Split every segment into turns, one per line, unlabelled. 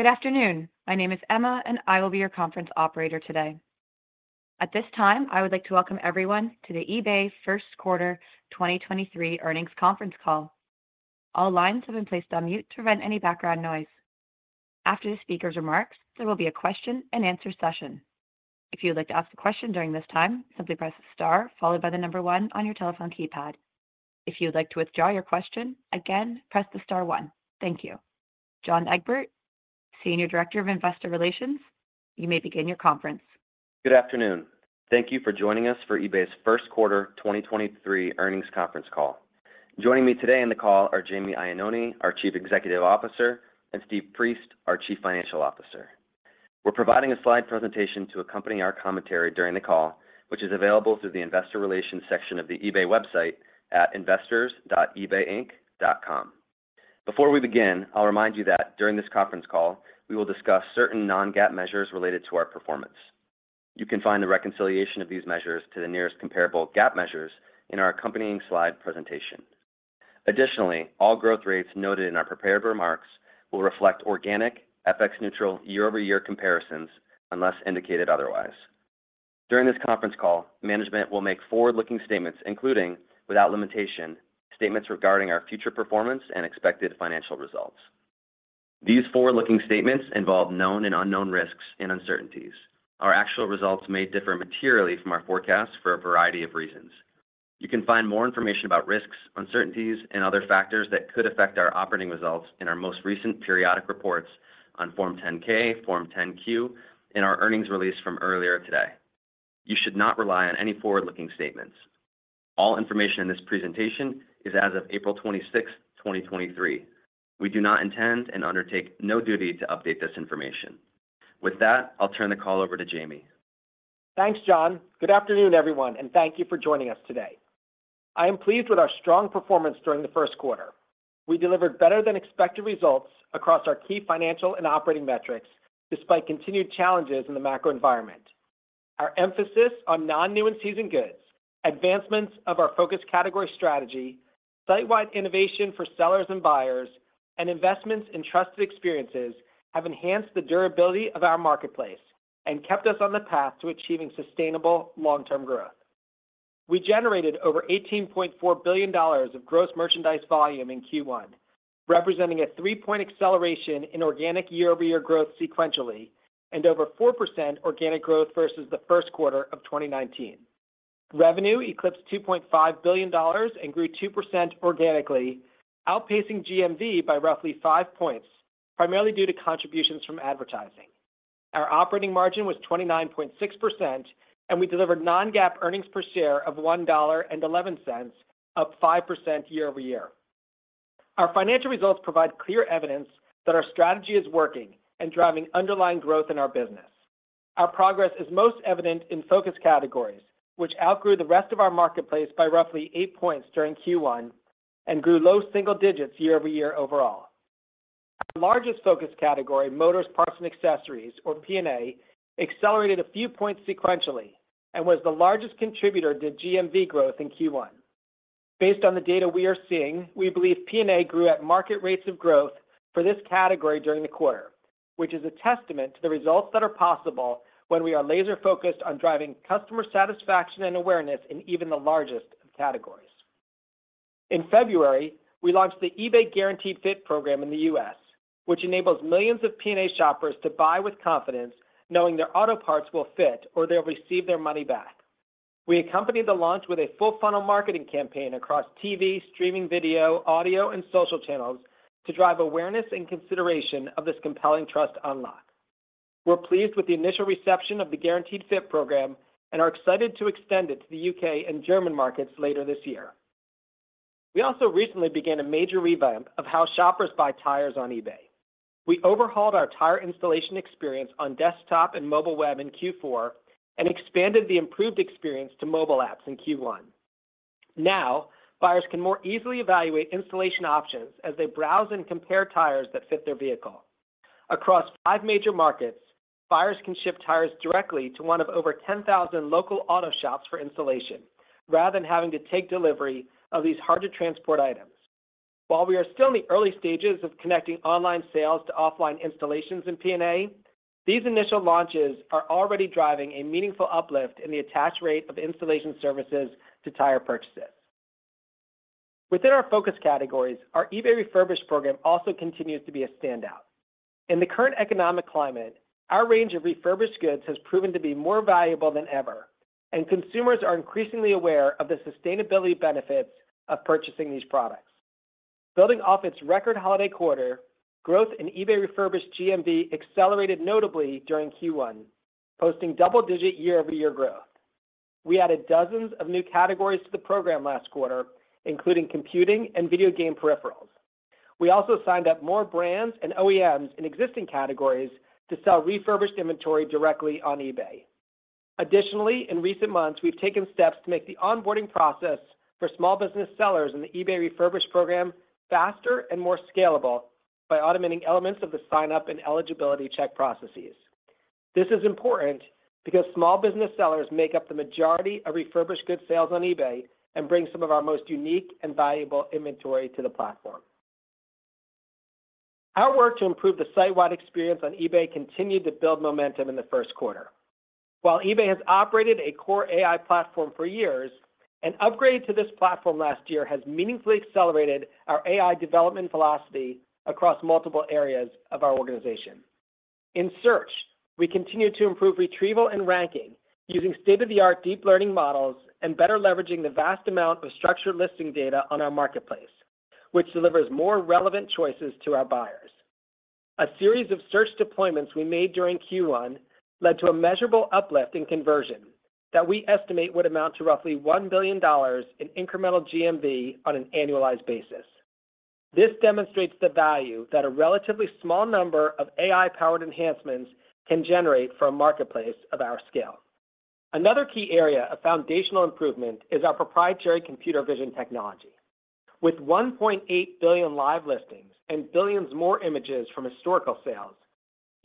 Good afternoon. My name is Emma, and I will be your conference operator today. At this time, I would like to welcome everyone to the eBay First Quarter 2023 Earnings Conference Call. All lines have been placed on mute to prevent any background noise. After the speaker's remarks, there will be a question-and-answer session. If you would like to ask a question during this time, simply press star followed by the number one on your telephone keypad. If you would like to withdraw your question, again, press the star one. Thank you. John Egbert, Senior Director of Investor Relations, you may begin your conference.
Good afternoon. Thank you for joining us for eBay's 1st Quarter 2023 Earnings Conference Call. Joining me today on the call are Jamie Iannone, our Chief Executive Officer, and Steve Priest, our Chief Financial Officer. We're providing a slide presentation to accompany our commentary during the call, which is available through the Investor Relations section of the eBay website at investors.ebayinc.com. Before we begin, I'll remind you that during this conference call, we will discuss certain non-GAAP measures related to our performance. You can find the reconciliation of these measures to the nearest comparable GAAP measures in our accompanying slide presentation. Additionally, all growth rates noted in our prepared remarks will reflect organic FX-neutral year-over-year comparisons unless indicated otherwise. During this conference call, management will make forward-looking statements, including, without limitation, statements regarding our future performance and expected financial results. These forward-looking statements involve known and unknown risks and uncertainties. Our actual results may differ materially from our forecasts for a variety of reasons. You can find more information about risks, uncertainties, and other factors that could affect our operating results in our most recent periodic reports on Form 10-K, Form 10-Q, and our earnings release from earlier today. You should not rely on any forward-looking statements. All information in this presentation is as of April 26th, 2023. We do not intend and undertake no duty to update this information. With that, I'll turn the call over to Jamie.
Thanks, John. Good afternoon, everyone, and thank you for joining us today. I am pleased with our strong performance during the first quarter. We delivered better-than-expected results across our key financial and operating metrics despite continued challenges in the macro environment. Our emphasis on non-new and seasoned goods, advancements of our focused category strategy, site-wide innovation for sellers and buyers, and investments in trusted experiences have enhanced the durability of our marketplace and kept us on the path to achieving sustainable long-term growth. We generated over $18.4 billion of GMV in Q1, representing a 3-point acceleration in organic year-over-year growth sequentially and over 4% organic growth versus the first quarter of 2019. Revenue eclipsed $2.5 billion and grew 2% organically, outpacing GMV by roughly 5 points, primarily due to contributions from advertising. Our operating margin was 29.6%, and we delivered non-GAAP earnings per share of $1.11, up 5% year-over-year. Our financial results provide clear evidence that our strategy is working and driving underlying growth in our business. Our progress is most evident in focus categories, which outgrew the rest of our marketplace by roughly 8 points during Q1 and grew low single digits year-over-year overall. Our largest focus category, motors, parts and accessories or P&A, accelerated a few points sequentially and was the largest contributor to GMV growth in Q1. Based on the data we are seeing, we believe P&A grew at market rates of growth for this category during the quarter, which is a testament to the results that are possible when we are laser-focused on driving customer satisfaction and awareness in even the largest of categories. In February, we launched the eBay Guaranteed Fit program in the U.S., which enables millions of P&A shoppers to buy with confidence knowing their auto parts will fit or they'll receive their money back. We accompanied the launch with a full funnel marketing campaign across TV, streaming video, audio, and social channels to drive awareness and consideration of this compelling trust unlock. We're pleased with the initial reception of the Guaranteed Fit program and are excited to extend it to the U.K. and German markets later this year. We also recently began a major revamp of how shoppers buy tires on eBay. We overhauled our tire installation experience on desktop and mobile web in Q4 and expanded the improved experience to mobile apps in Q1. Now, buyers can more easily evaluate installation options as they browse and compare tires that fit their vehicle. Across 5 major markets, buyers can ship tires directly to one of over 10,000 local auto shops for installation rather than having to take delivery of these hard-to-transport items. While we are still in the early stages of connecting online sales to offline installations in P&A, these initial launches are already driving a meaningful uplift in the attach rate of installation services to tire purchases. Within our focus categories, our eBay Refurbished program also continues to be a standout. In the current economic climate, our range of refurbished goods has proven to be more valuable than ever, and consumers are increasingly aware of the sustainability benefits of purchasing these products. Building off its record holiday quarter, growth in eBay Refurbished GMV accelerated notably during Q1, posting double-digit year-over-year growth. We added dozens of new categories to the program last quarter, including computing and video game peripherals. We also signed up more brands and OEMs in existing categories to sell refurbished inventory directly on eBay. Additionally, in recent months, we've taken steps to make the onboarding process for small business sellers in the eBay Refurbished program faster and more scalable by automating elements of the sign-up and eligibility check processes. This is important because small business sellers make up the majority of refurbished goods sales on eBay and bring some of our most unique and valuable inventory to the platform. Our work to improve the site-wide experience on eBay continued to build momentum in the first quarter. While eBay has operated a core AI platform for years, an upgrade to this platform last year has meaningfully accelerated our AI development philosophy across multiple areas of our organization. In search, we continue to improve retrieval and ranking using state-of-the-art deep learning models and better leveraging the vast amount of structured listing data on our marketplace, which delivers more relevant choices to our buyers. A series of search deployments we made during Q1 led to a measurable uplift in conversion that we estimate would amount to roughly $1 billion in incremental GMV on an annualized basis. This demonstrates the value that a relatively small number of AI-powered enhancements can generate for a marketplace of our scale. Another key area of foundational improvement is our proprietary computer vision technology. With 1.8 billion live listings and billions more images from historical sales,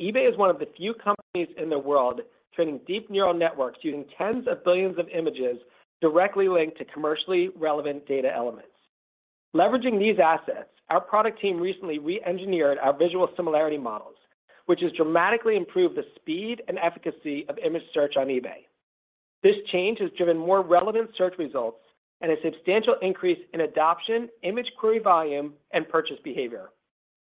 eBay is one of the few companies in the world training deep neural networks using tens of billions of images directly linked to commercially relevant data elements. Leveraging these assets, our product team recently re-engineered our visual similarity models, which has dramatically improved the speed and efficacy of image search on eBay. This change has driven more relevant search results and a substantial increase in adoption, image query volume, and purchase behavior.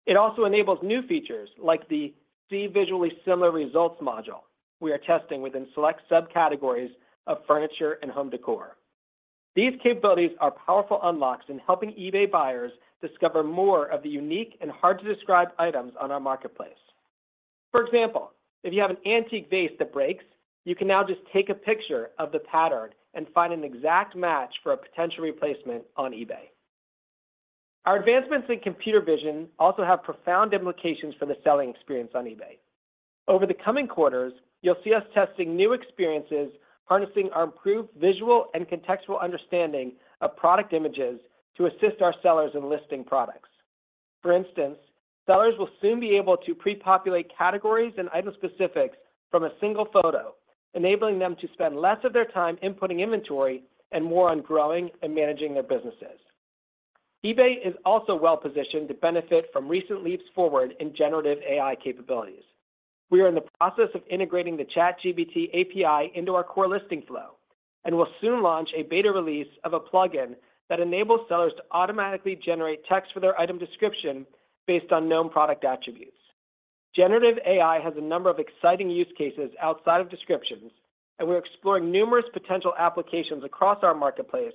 It also enables new features like the See Visually Similar Results module we are testing within select subcategories of furniture and home decor. These capabilities are powerful unlocks in helping eBay buyers discover more of the unique and hard-to-describe items on our marketplace. For example, if you have an antique vase that breaks, you can now just take a picture of the pattern and find an exact match for a potential replacement on eBay. Our advancements in computer vision also have profound implications for the selling experience on eBay. Over the coming quarters, you'll see us testing new experiences harnessing our improved visual and contextual understanding of product images to assist our sellers in listing products. For instance, sellers will soon be able to pre-populate categories and item specifics from a single photo, enabling them to spend less of their time inputting inventory and more on growing and managing their businesses. eBay is also well-positioned to benefit from recent leaps forward in generative AI capabilities. We are in the process of integrating the ChatGPT API into our core listing flow, and we'll soon launch a beta release of a plugin that enables sellers to automatically generate text for their item description based on known product attributes. Generative AI has a number of exciting use cases outside of descriptions, and we're exploring numerous potential applications across our marketplace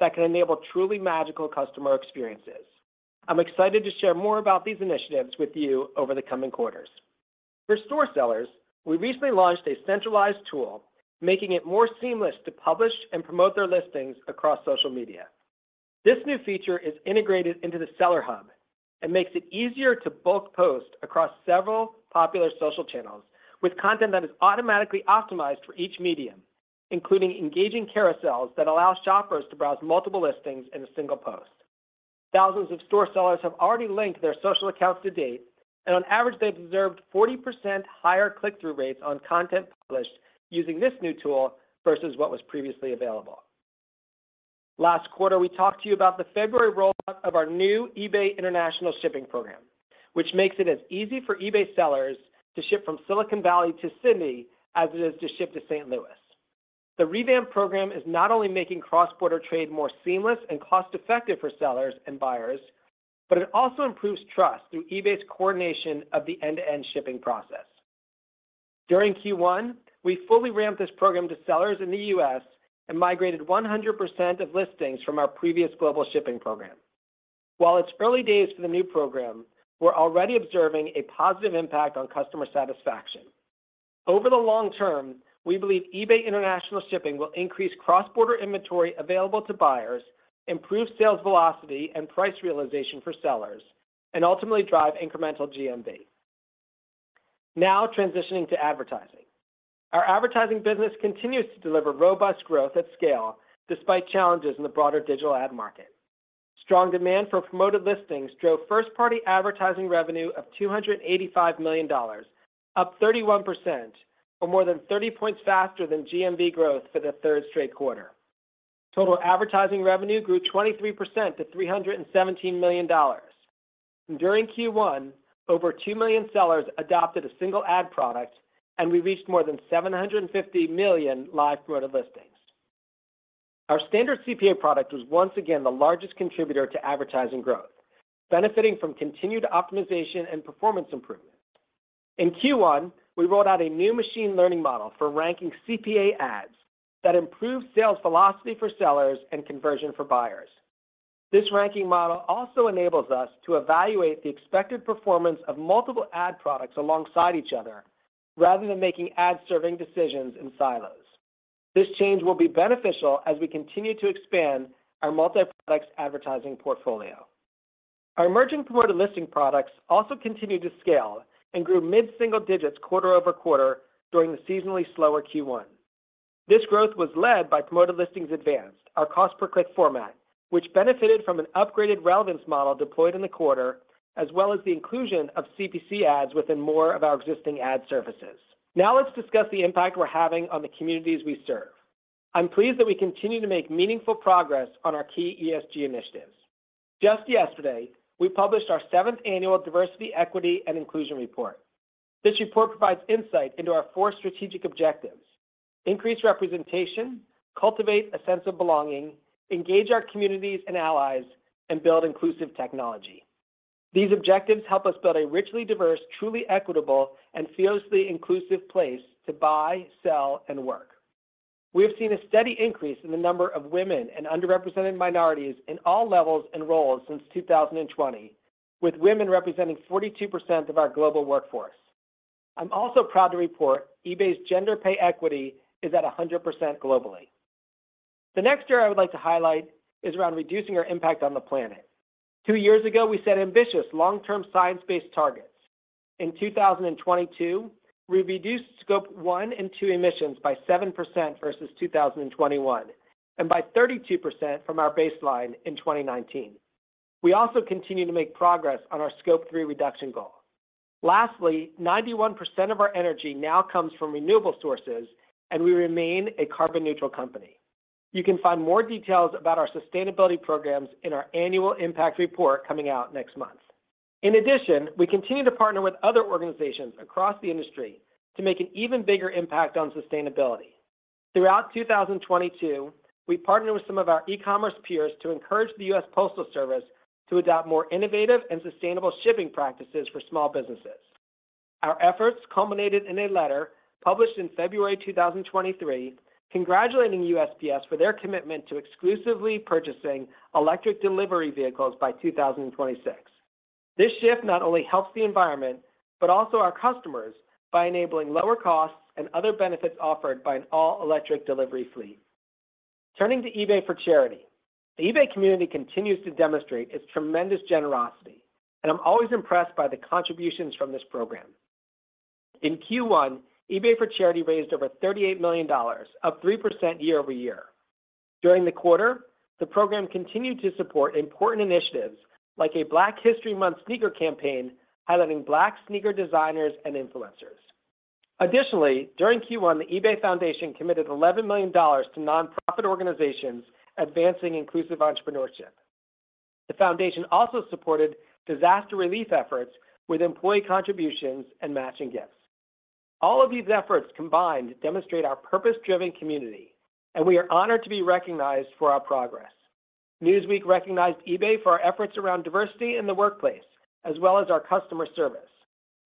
that can enable truly magical customer experiences. I'm excited to share more about these initiatives with you over the coming quarters. For store sellers, we recently launched a centralized tool making it more seamless to publish and promote their listings across social media. This new feature is integrated into the Seller Hub and makes it easier to bulk post across several popular social channels with content that is automatically optimized for each medium, including engaging carousels that allow shoppers to browse multiple listings in a single post. Thousands of store sellers have already linked their social accounts to date, and on average, they've observed 40% higher click-through rates on content published using this new tool versus what was previously available. Last quarter, we talked to you about the February rollout of our new eBay International Shipping program, which makes it as easy for eBay sellers to ship from Silicon Valley to Sydney as it is to ship to St. Louis. The revamped program is not only making cross-border trade more seamless and cost-effective for sellers and buyers, but it also improves trust through eBay's coordination of the end-to-end shipping process. During Q1, we fully ramped this program to sellers in the U.S. and migrated 100% of listings from our previous global shipping program. While it's early days for the new program, we're already observing a positive impact on customer satisfaction. Over the long term, we believe eBay International Shipping will increase cross-border inventory available to buyers, improve sales velocity and price realization for sellers, and ultimately drive incremental GMV. Now transitioning to advertising. Our Advertising business continues to deliver robust growth at scale despite challenges in the broader digital ad market. Strong demand for Promoted Listings drove first-party advertising revenue of $285 million, up 31% or more than 30 points faster than GMV growth for the third straight quarter. Total advertising revenue grew 23% to $317 million. During Q1, over 2 million sellers adopted a single ad product, and we reached more than 750 million live Promoted Listings. Our standard CPA product was once again the largest contributor to advertising growth, benefiting from continued optimization and performance improvement. In Q1, we rolled out a new machine learning model for ranking CPA ads that improved sales velocity for sellers and conversion for buyers. This ranking model also enables us to evaluate the expected performance of multiple ad products alongside each other rather than making ad-serving decisions in silos. This change will be beneficial as we continue to expand our multi-products advertising portfolio. Our emerging Promoted Listings products also continued to scale and grew mid-single digits quarter-over-quarter during the seasonally slower Q1. This growth was led by Promoted Listings Advanced, our cost-per-click format, which benefited from an upgraded relevance model deployed in the quarter, as well as the inclusion of CPC ads within more of our existing ad services. Let's discuss the impact we're having on the communities we serve. I'm pleased that we continue to make meaningful progress on our key ESG initiatives. Just yesterday, we published our seventh annual Diversity, Equity and Inclusion Report. This report provides insight into our four strategic objectives: increase representation, cultivate a sense of belonging, engage our communities and allies, and build inclusive technology. These objectives help us build a richly diverse, truly equitable, and fiercely inclusive place to buy, sell, and work. We have seen a steady increase in the number of women and underrepresented minorities in all levels and roles since 2020, with women representing 42% of our global workforce. I'm also proud to report eBay's gender pay equity is at 100% globally. The next area I would like to highlight is around reducing our impact on the planet. Two years ago, we set ambitious long-term science-based targets. In 2022, we reduced Scope 1 and 2 emissions by 7% versus 2021, and by 32% from our baseline in 2019. We also continue to make progress on our Scope 3 reduction goal. Lastly 91% of our energy now comes from renewable sources, and we remain a carbon neutral company. You can find more details about our sustainability programs in our annual impact report coming out next month. We continue to partner with other organizations across the industry to make an even bigger impact on sustainability. Throughout 2022, we partnered with some of our e-commerce peers to encourage the U.S. Postal Service to adopt more innovative and sustainable shipping practices for small businesses. Our efforts culminated in a letter published in February 2023 congratulating USPS for their commitment to exclusively purchasing electric delivery vehicles by 2026. This shift not only helps the environment, but also our customers by enabling lower costs and other benefits offered by an all-electric delivery fleet. Turning to eBay for Charity, the eBay community continues to demonstrate its tremendous generosity. I'm always impressed by the contributions from this program. In Q1, eBay for Charity raised over $38 million, up 3% year-over-year. During the quarter, the program continued to support important initiatives like a Black History Month sneaker campaign highlighting black sneaker designers and influencers. Additionally, during Q1, the eBay Foundation committed $11 million to nonprofit organizations advancing inclusive entrepreneurship. The Foundation also supported disaster relief efforts with employee contributions and matching gifts. All of these efforts combined demonstrate our purpose-driven community. We are honored to be recognized for our progress. Newsweek recognized eBay for our efforts around diversity in the workplace, as well as our customer service.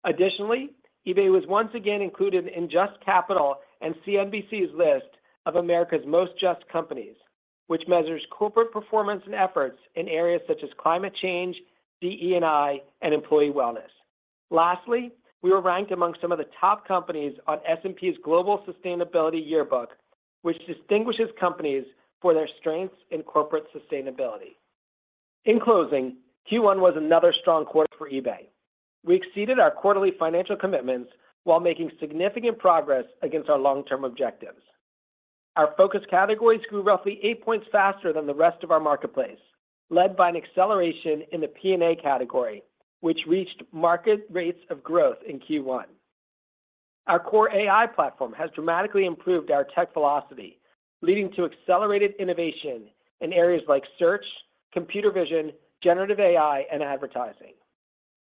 Additionally, eBay was once again included in JUST Capital and CNBC's list of America's most just companies, which measures corporate performance and efforts in areas such as climate change, DE&I, and employee wellness. Lastly, we were ranked amongst some of the top companies on S&P's Global Sustainability Yearbook, which distinguishes companies for their strengths in corporate sustainability. In closing, Q1 was another strong quarter for eBay. We exceeded our quarterly financial commitments while making significant progress against our long-term objectives. Our focus categories grew roughly eight points faster than the rest of our marketplace, led by an acceleration in the P&A category, which reached market rates of growth in Q1. Our core AI platform has dramatically improved our tech velocity, leading to accelerated innovation in areas like search, computer vision, generative AI, and advertising.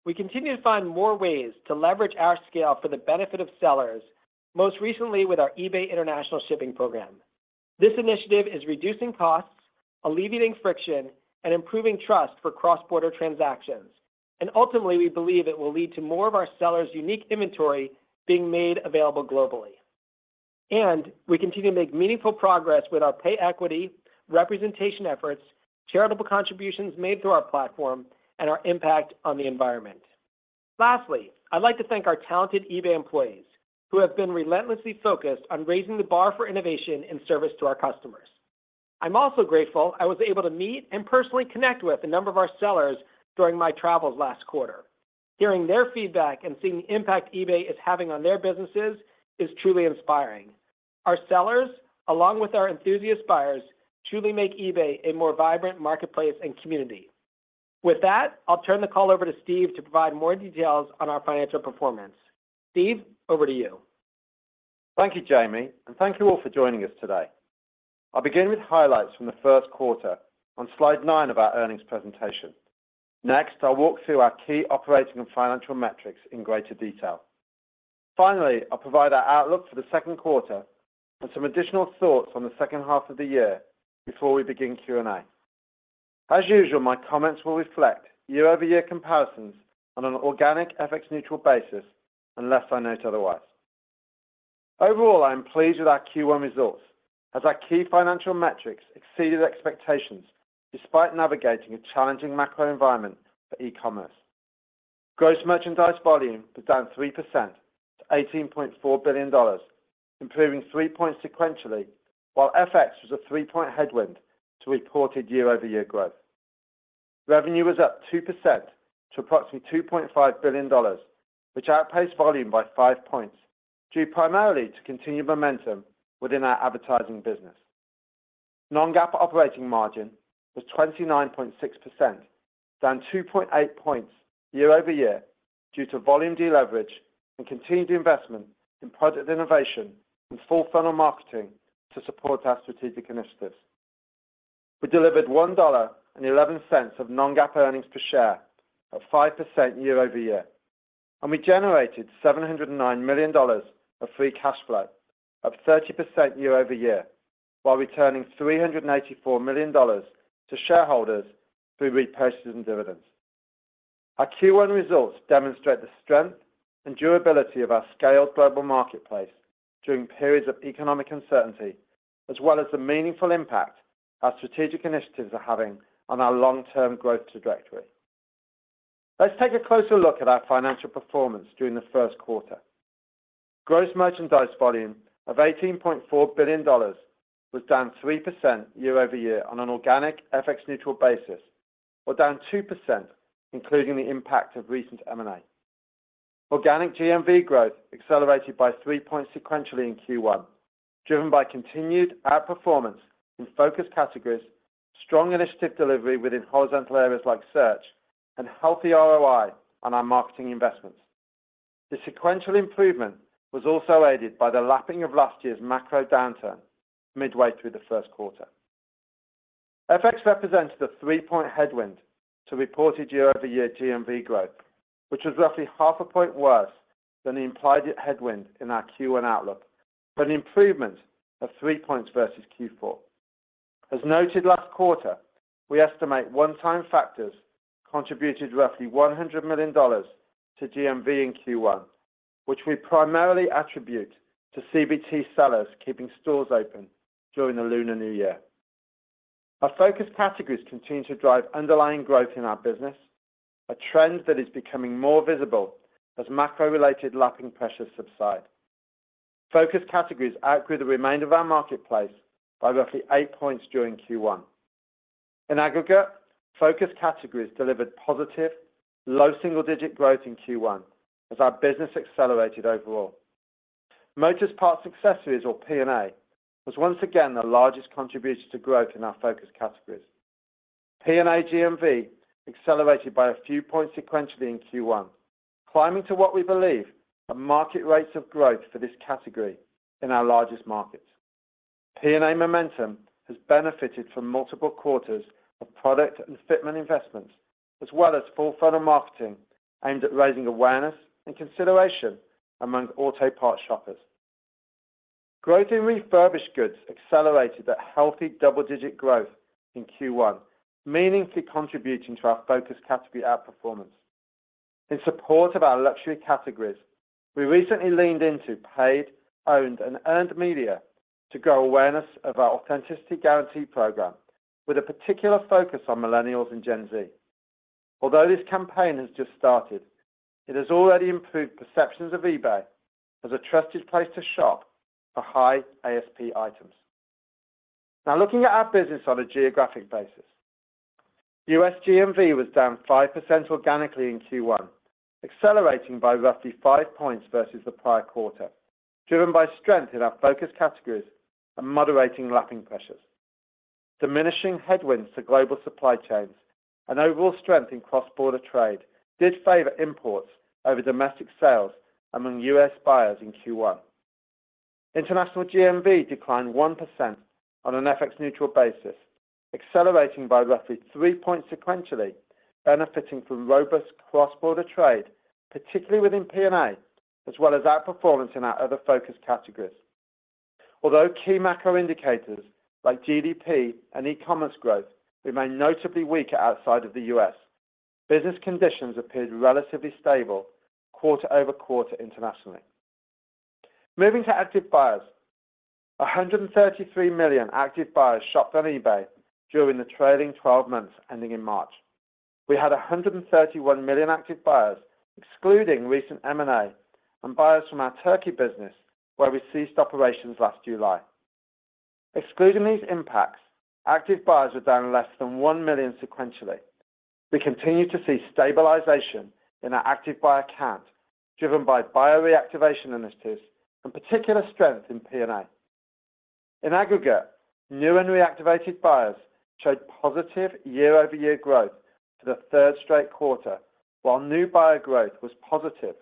We continue to find more ways to leverage our scale for the benefit of sellers, most recently with our eBay International Shipping program. This initiative is reducing costs, alleviating friction, and improving trust for cross-border transactions. Ultimately, we believe it will lead to more of our sellers' unique inventory being made available globally. We continue to make meaningful progress with our pay equity representation efforts, charitable contributions made through our platform, and our impact on the environment. Lastly, I'd like to thank our talented eBay employees who have been relentlessly focused on raising the bar for innovation in service to our customers. I'm also grateful I was able to meet and personally connect with a number of our sellers during my travels last quarter. Hearing their feedback and seeing the impact eBay is having on their businesses is truly inspiring. Our sellers, along with our enthusiast buyers, truly make eBay a more vibrant marketplace and community. With that, I'll turn the call over to Steve to provide more details on our financial performance. Steve, over to you.
Thank you, Jamie, and thank you all for joining us today. I'll begin with highlights from the first quarter on slide nine of our earnings presentation. Next, I'll walk through our key operating and financial metrics in greater detail. Finally, I'll provide our outlook for the second quarter and some additional thoughts on the second half of the year before we begin Q&A. As usual, my comments will reflect year-over-year comparisons on an organic FX-neutral basis unless I note otherwise. Overall, I am pleased with our Q1 results as our key financial metrics exceeded expectations despite navigating a challenging macro environment for e-commerce. Gross merchandise volume was down 3% to $18.4 billion, improving 3 points sequentially, while FX was a 3-point headwind to reported year-over-year growth. Revenue was up 2% to approximately $2.5 billion, which outpaced volume by 5 points, due primarily to continued momentum within our Advertising business. Non-GAAP operating margin was 29.6%, down 2.8 points year-over-year due to volume deleverage and continued investment in product innovation and full funnel marketing to support our strategic initiatives. We delivered $1.11 of non-GAAP earnings per share at 5% year-over-year. We generated $709 million of free cash flow, up 30% year-over-year, while returning $384 million to shareholders through repurchases and dividends. Our Q1 results demonstrate the strength and durability of our scaled global marketplace during periods of economic uncertainty, as well as the meaningful impact our strategic initiatives are having on our long-term growth trajectory. Let's take a closer look at our financial performance during the first quarter. Gross merchandise volume of $18.4 billion was down 3% year-over-year on an organic FX-neutral basis, or down 2% including the impact of recent M&A. Organic GMV growth accelerated by 3 points sequentially in Q1, driven by continued outperformance in focus categories, strong initiative delivery within horizontal areas like search, and healthy ROI on our marketing investments. The sequential improvement was also aided by the lapping of last year's macro downturn midway through the first quarter. FX represents the three-point headwind to reported year-over-year GMV growth, which was roughly half a point worse than the implied headwind in our Q1 outlook, an improvement of three points versus Q4. As noted last quarter, we estimate one-time factors contributed roughly $100 million to GMV in Q1, which we primarily attribute to CBT sellers keeping stores open during the Lunar New Year. Our focus categories continue to drive underlying growth in our business, a trend that is becoming more visible as macro-related lapping pressures subside. Focus categories outgrew the remainder of our marketplace by roughly eight points during Q1. In aggregate, focus categories delivered positive, low single-digit growth in Q1 as our business accelerated overall. Motors parts accessories, or P&A, was once again the largest contributor to growth in our focus categories. P&A GMV accelerated by a few points sequentially in Q1, climbing to what we believe are market rates of growth for this category in our largest markets. P&A momentum has benefited from multiple quarters of product and fitment investments, as well as full funnel marketing aimed at raising awareness and consideration among auto parts shoppers. Growth in refurbished goods accelerated at healthy double-digit growth in Q1, meaningfully contributing to our focus category outperformance. In support of our luxury categories, we recently leaned into paid, owned, and earned media to grow awareness of our Authenticity Guarantee program with a particular focus on millennials and Gen Z. Although this campaign has just started, it has already improved perceptions of eBay as a trusted place to shop for high ASP items. Now looking at our business on a geographic basis. U.S. GMV was down 5% organically in Q1, accelerating by roughly 5 points versus the prior quarter, driven by strength in our focus categories and moderating lapping pressures. Diminishing headwinds to global supply chains and overall strength in cross-border trade did favor imports over domestic sales among U.S. buyers in Q1. International GMV declined 1% on an FX-neutral basis, accelerating by roughly 3 points sequentially, benefiting from robust cross-border trade, particularly within P&A, as well as outperformance in our other focus categories. Although key macro indicators like GDP and e-commerce growth remain notably weaker outside of the U.S., business conditions appeared relatively stable quarter-over-quarter internationally. Moving to active buyers. 133 million active buyers shopped on eBay during the trading 12 months ending in March. We had 131 million active buyers, excluding recent M&A and buyers from our Turkey business, where we ceased operations last July. Excluding these impacts, active buyers were down less than 1 million sequentially. We continue to see stabilization in our active buyer count, driven by buyer reactivation initiatives and particular strength in P&A. In aggregate, new and reactivated buyers showed positive year-over-year growth for the third straight quarter, while new buyer growth was positive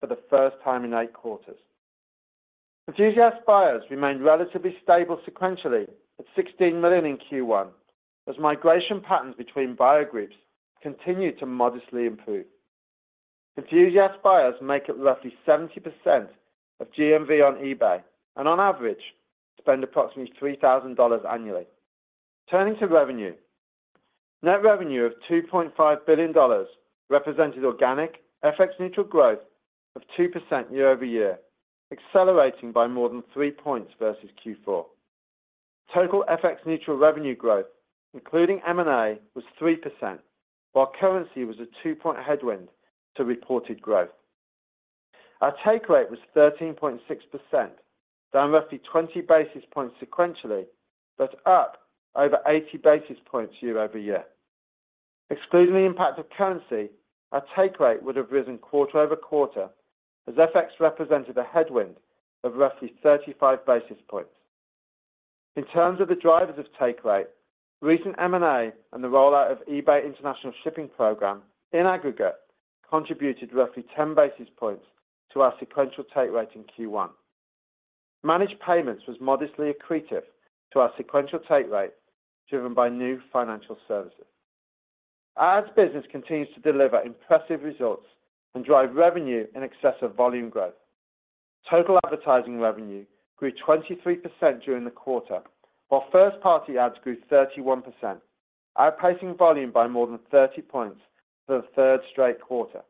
for the first time in eight quarters. Enthusiast buyers remained relatively stable sequentially at 16 million in Q1 as migration patterns between buyer groups continued to modestly improve. Enthusiast buyers make up roughly 70% of GMV on eBay and on average, spend approximately $3,000 annually. Turning to revenue. Net revenue of $2.5 billion represented organic FX-neutral growth of 2% year-over-year, accelerating by more than 3 points versus Q4. Total FX-neutral revenue growth, including M&A, was 3%, while currency was a 2-point headwind to reported growth. Our take rate was 13.6%, down roughly 20 basis points sequentially, but up over 80 basis points year-over-year. Excluding the impact of currency, our take rate would have risen quarter-over-quarter as FX represented a headwind of roughly 35 basis points. In terms of the drivers of take rate, recent M&A and the rollout of eBay International Shipping Program in aggregate contributed roughly 10 basis points to our sequential take rate in Q1. Managed Payments was modestly accretive to our sequential take rate, driven by new financial services. Ads business continues to deliver impressive results and drive revenue in excess of volume growth. Total advertising revenue grew 23% during the quarter, while first-party ads grew 31%, outpacing volume by more than 30 points for the third straight quarter.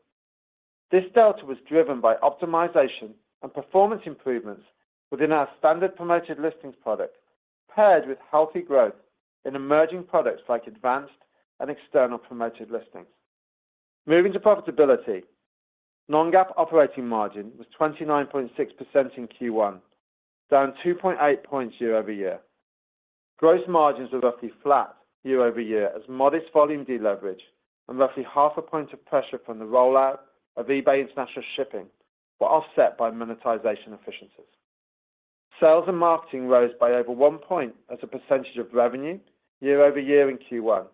This delta was driven by optimization and performance improvements within our standard Promoted Listings product, paired with healthy growth in emerging products like Promoted Listings Advanced and external Promoted Listings. Moving to profitability, non-GAAP operating margin was 29.6% in Q1, down 2.8 points year-over-year. Gross margins were roughly flat year-over-year as modest volume deleverage and roughly half a point of pressure from the rollout of eBay International Shipping, offset by monetization efficiencies. Sales and marketing rose by over 1 point as a percentage of revenue year-over-year in Q1,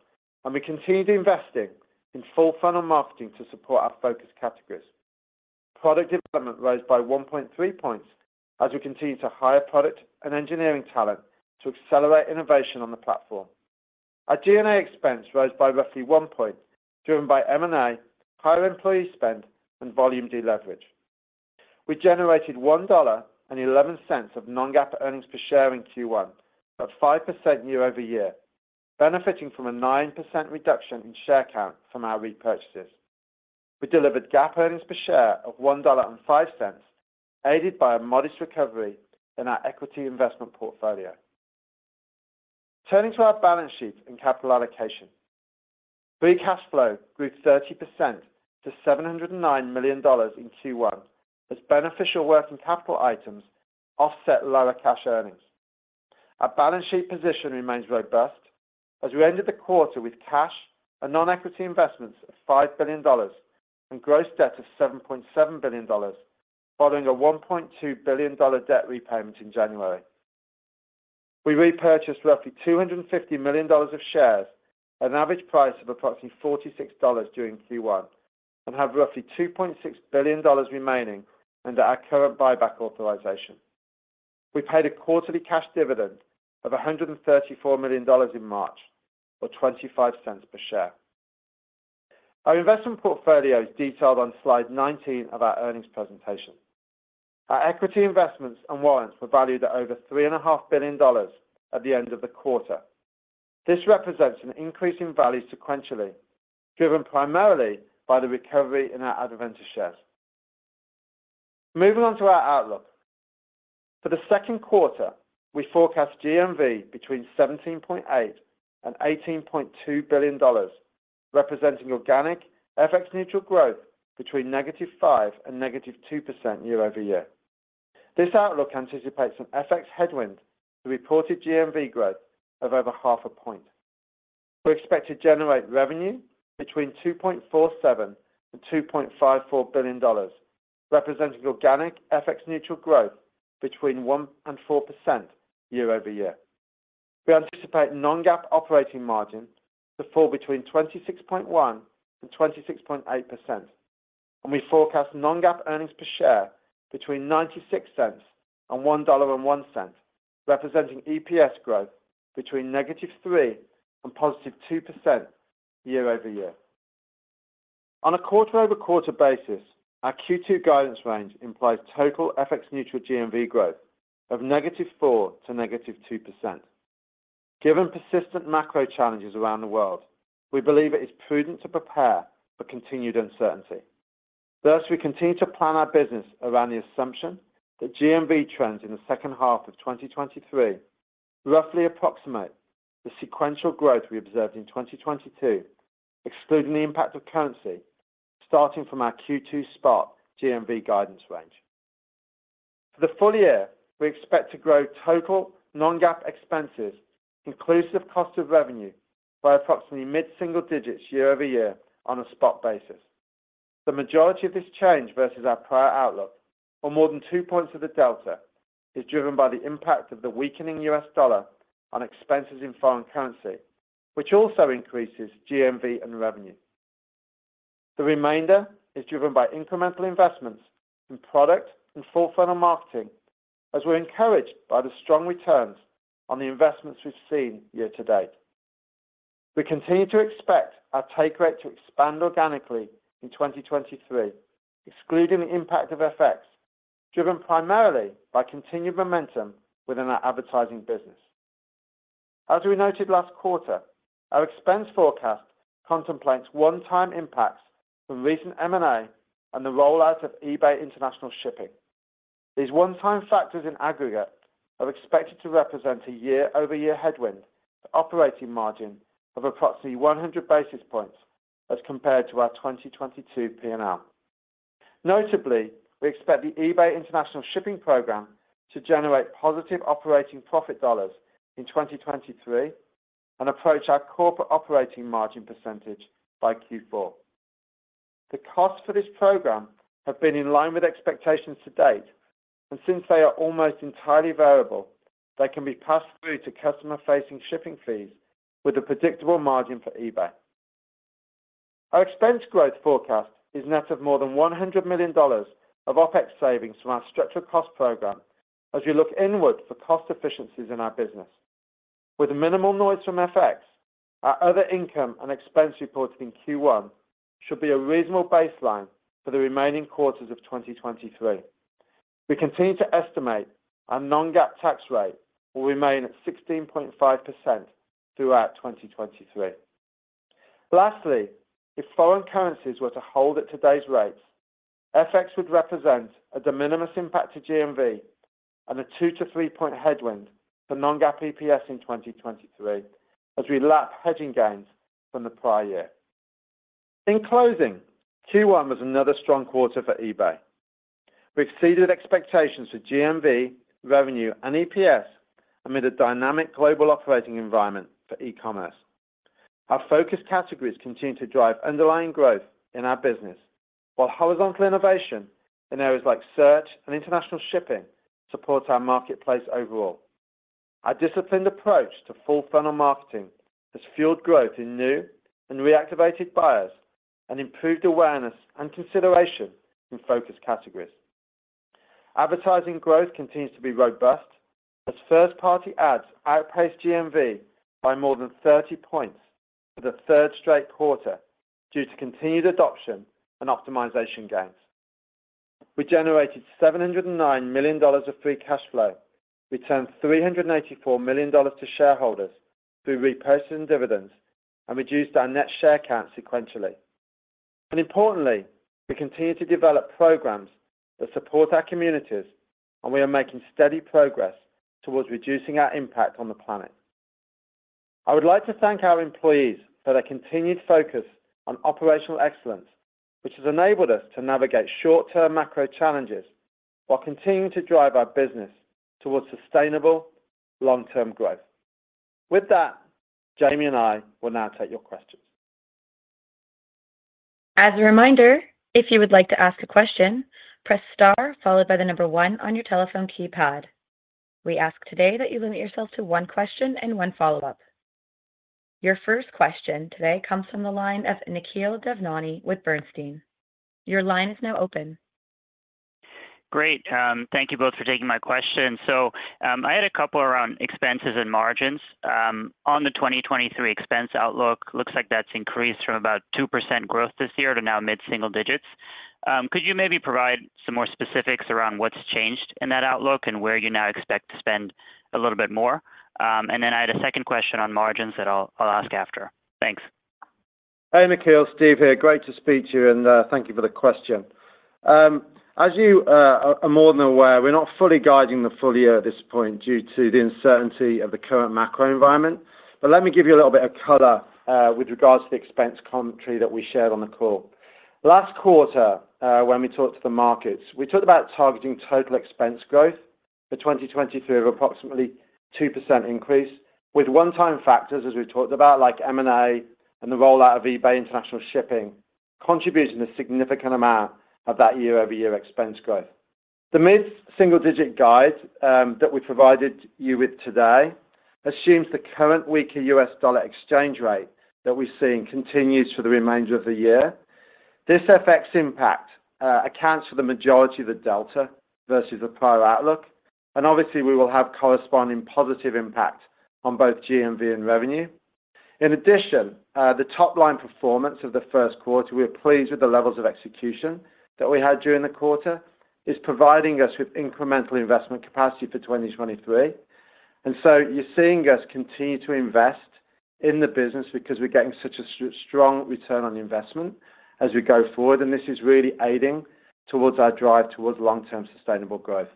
and we continued investing in full funnel marketing to support our focus categories. Product development rose by 1.3 points as we continue to hire product and engineering talent to accelerate innovation on the platform. Our G&A expense rose by roughly 1 point, driven by M&A, higher employee spend, and volume deleverage. We generated $1.11 of non-GAAP earnings per share in Q-one, up 5% year-over-year, benefiting from a 9% reduction in share count from our repurchases. We delivered GAAP earnings per share of $1.05, aided by a modest recovery in our equity investment portfolio. Turning to our balance sheet and capital allocation. Free cash flow grew 30% to $709 million in Q1 as beneficial working capital items offset lower cash earnings. Our balance sheet position remains robust as we ended the quarter with cash and non-equity investments of $5 billion and gross debt of $7.7 billion, following a $1.2 billion debt repayment in January. We repurchased roughly $250 million of shares at an average price of approximately $46 during Q1, and have roughly $2.6 billion remaining under our current buyback authorization. We paid a quarterly cash dividend of $134 million in March, or $0.25 per share. Our investment portfolio is detailed on slide 19 of our earnings presentation. Our equity investments and warrants were valued at over $3.5 billion at the end of the quarter. This represents an increase in value sequentially, driven primarily by the recovery in our Adevinta shares. Moving on to our outlook. For the second quarter, we forecast GMV between $17.8 billion and $18.2 billion, representing organic FX-neutral growth between -5% and -2% year-over-year. This outlook anticipates an FX headwind to reported GMV growth of over half a point. We expect to generate revenue between $2.47 billion and $2.54 billion, representing organic FX-neutral growth between 1% and 4% year-over-year. We anticipate non-GAAP operating margin to fall between 26.1% and 26.8%, and we forecast non-GAAP earnings per share between $0.96 and $1.01, representing EPS growth between -3% and +2% year-over-year. On a quarter-over-quarter basis, our Q2 guidance range implies total FX-neutral GMV growth of -4% to -2%. Given persistent macro challenges around the world, we believe it is prudent to prepare for continued uncertainty. Thus, we continue to plan our business around the assumption that GMV trends in the second half of 2023 roughly approximate the sequential growth we observed in 2022, excluding the impact of currency, starting from our Q2 spot GMV guidance range. For the full year, we expect to grow total non-GAAP expenses inclusive cost of revenue by approximately mid-single digits year-over-year on a spot basis. The majority of this change versus our prior outlook or more than 2 points of the delta is driven by the impact of the weakening U.S. dollar on expenses in foreign currency, which also increases GMV and revenue. The remainder is driven by incremental investments in product and full funnel marketing, as we're encouraged by the strong returns on the investments we've seen year-to-date. We continue to expect our take rate to expand organically in 2023, excluding the impact of FX, driven primarily by continued momentum within our Advertising business. As we noted last quarter, our expense forecast contemplates one-time impacts from recent M&A and the rollout of eBay International Shipping. These one-time factors in aggregate are expected to represent a year-over-year headwind to operating margin of approximately 100 basis points as compared to our 2022 P&L. Notably, we expect the eBay International Shipping program to generate positive operating profit dollars in 2023 and approach our corporate operating margin percentage by Q4. The cost for this program have been in line with expectations to date, and since they are almost entirely variable, they can be passed through to customer-facing shipping fees with a predictable margin for eBay. Our expense growth forecast is net of more than $100 million of OpEx savings from our structural cost program as we look inward for cost efficiencies in our business. With minimal noise from FX, our other income and expense reported in Q1 should be a reasonable baseline for the remaining quarters of 2023. We continue to estimate our non-GAAP tax rate will remain at 16.5% throughout 2023. Lastly, if foreign currencies were to hold at today's rates, FX would represent a de minimis impact to GMV and a 2-to-3-point headwind for non-GAAP EPS in 2023 as we lap hedging gains from the prior year. In closing, Q1 was another strong quarter for eBay. We exceeded expectations for GMV, revenue, and EPS amid a dynamic global operating environment for e-commerce. Our focus categories continue to drive underlying growth in our business, while horizontal innovation in areas like search and international shipping supports our marketplace overall. Our disciplined approach to full funnel marketing has fueled growth in new and reactivated buyers and improved awareness and consideration in focus categories. Advertising growth continues to be robust as first-party ads outpaced GMV by more than 30 points for the third straight quarter due to continued adoption and optimization gains. We generated $709 million of free cash flow, returned $384 million to shareholders through repurchase and dividends, and reduced our net share count sequentially. Importantly, we continue to develop programs that support our communities, and we are making steady progress towards reducing our impact on the planet. I would like to thank our employees for their continued focus on operational excellence, which has enabled us to navigate short-term macro challenges while continuing to drive our business towards sustainable long-term growth. With that, Jamie and I will now take your questions.
As a reminder, if you would like to ask a question, press star followed by the number one on your telephone keypad. We ask today that you limit yourself to one question and one follow-up. Your first question today comes from the line of Nikhil Devnani with Bernstein. Your line is now open.
Great. Thank you both for taking my question. I had a couple around expenses and margins. On the 2023 expense outlook, looks like that's increased from about 2% growth this year to now mid-single digits. Could you maybe provide some more specifics around what's changed in that outlook and where you now expect to spend a little bit more? I had a second question on margins that I'll ask after. Thanks.
Hey, Nikhil. Steve here. Great to speak to you, and thank you for the question. As you are more than aware, we're not fully guiding the full year at this point due to the uncertainty of the current macro environment. Let me give you a little bit of color with regards to the expense commentary that we shared on the call. Last quarter, when we talked to the markets, we talked about targeting total expense growth for 2023 of approximately 2% increase, with one-time factors, as we talked about, like M&A and the rollout of eBay International Shipping, contributing a significant amount of that year-over-year expense growth. The mid-single-digit guide that we provided you with today assumes the current weaker U.S. dollar exchange rate that we're seeing continues for the remainder of the year. This FX impact accounts for the majority of the delta versus the prior outlook, and obviously, we will have corresponding positive impact on both GMV and revenue. In addition, the top-line performance of the first quarter, we are pleased with the levels of execution that we had during the quarter, is providing us with incremental investment capacity for 2023. So you're seeing us continue to invest in the business because we're getting such a strong ROI as we go forward, and this is really aiding towards our drive towards long-term sustainable growth.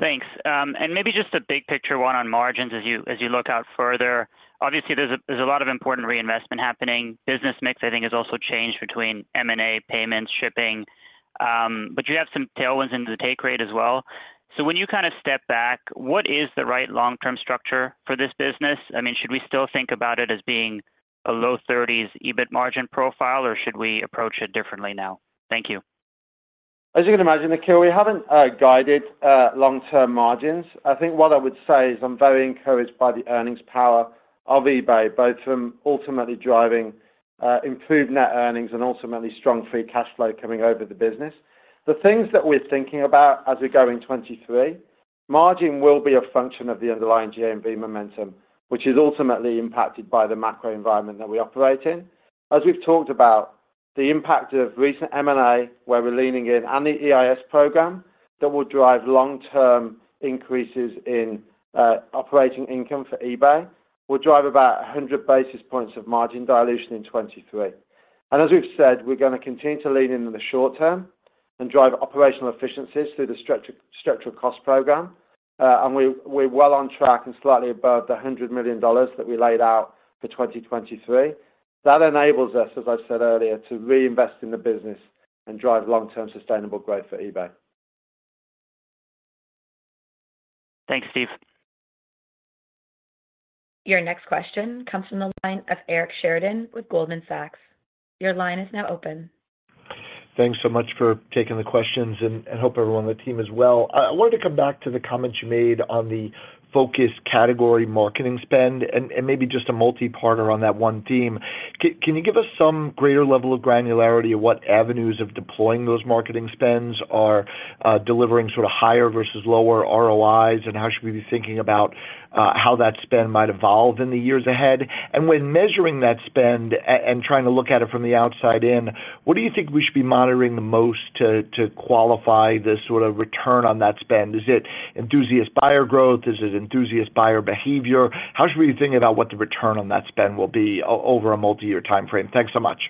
Thanks. Maybe just a big picture one on margins as you, as you look out further. Obviously, there's a lot of important reinvestment happening. Business mix, I think, has also changed between M&A, payments, shipping, but you have some tailwinds into the take rate as well. When you kind of step back, what is the right long-term structure for this business? I mean, should we still think about it as being a low 30s EBIT margin profile, or should we approach it differently now? Thank you.
As you can imagine, Nikhil, we haven't guided long-term margins. I think what I would say is I'm very encouraged by the earnings power of eBay, both from ultimately driving improved net earnings and ultimately strong free cash flow coming over the business. The things that we're thinking about as we go in 2023, margin will be a function of the underlying GMV momentum, which is ultimately impacted by the macro environment that we operate in. As we've talked about the impact of recent M&A, where we're leaning in on the EIS program. That will drive long-term increases in operating income for eBay. We'll drive about 100 basis points of margin dilution in 2023. As we've said, we're gonna continue to lean into the short term and drive operational efficiencies through the structural cost program. We, we're well on track and slightly above the $100 million that we laid out for 2023. That enables us, as I said earlier, to reinvest in the business and drive long-term sustainable growth for eBay.
Thanks, Steve.
Your next question comes from the line of Eric Sheridan with Goldman Sachs. Your line is now open.
Thanks so much for taking the questions and hope everyone on the team is well. I wanted to come back to the comments you made on the focus category marketing spend and maybe just a multi-parter on that one theme. Can you give us some-greater level of granularity of what avenues of deploying those marketing spends are delivering sort of higher versus lower ROIs, and how should we be thinking about how that spend might evolve in the years ahead? When measuring that spend and trying to look at it from the outside in, what do you think we should be monitoring the most to qualify the sort of return on that spend? Is it enthusiast buyer growth? Is it enthusiast buyer behavior? How should we be thinking about what the return on that spend will be over a multi-year timeframe? Thanks so much.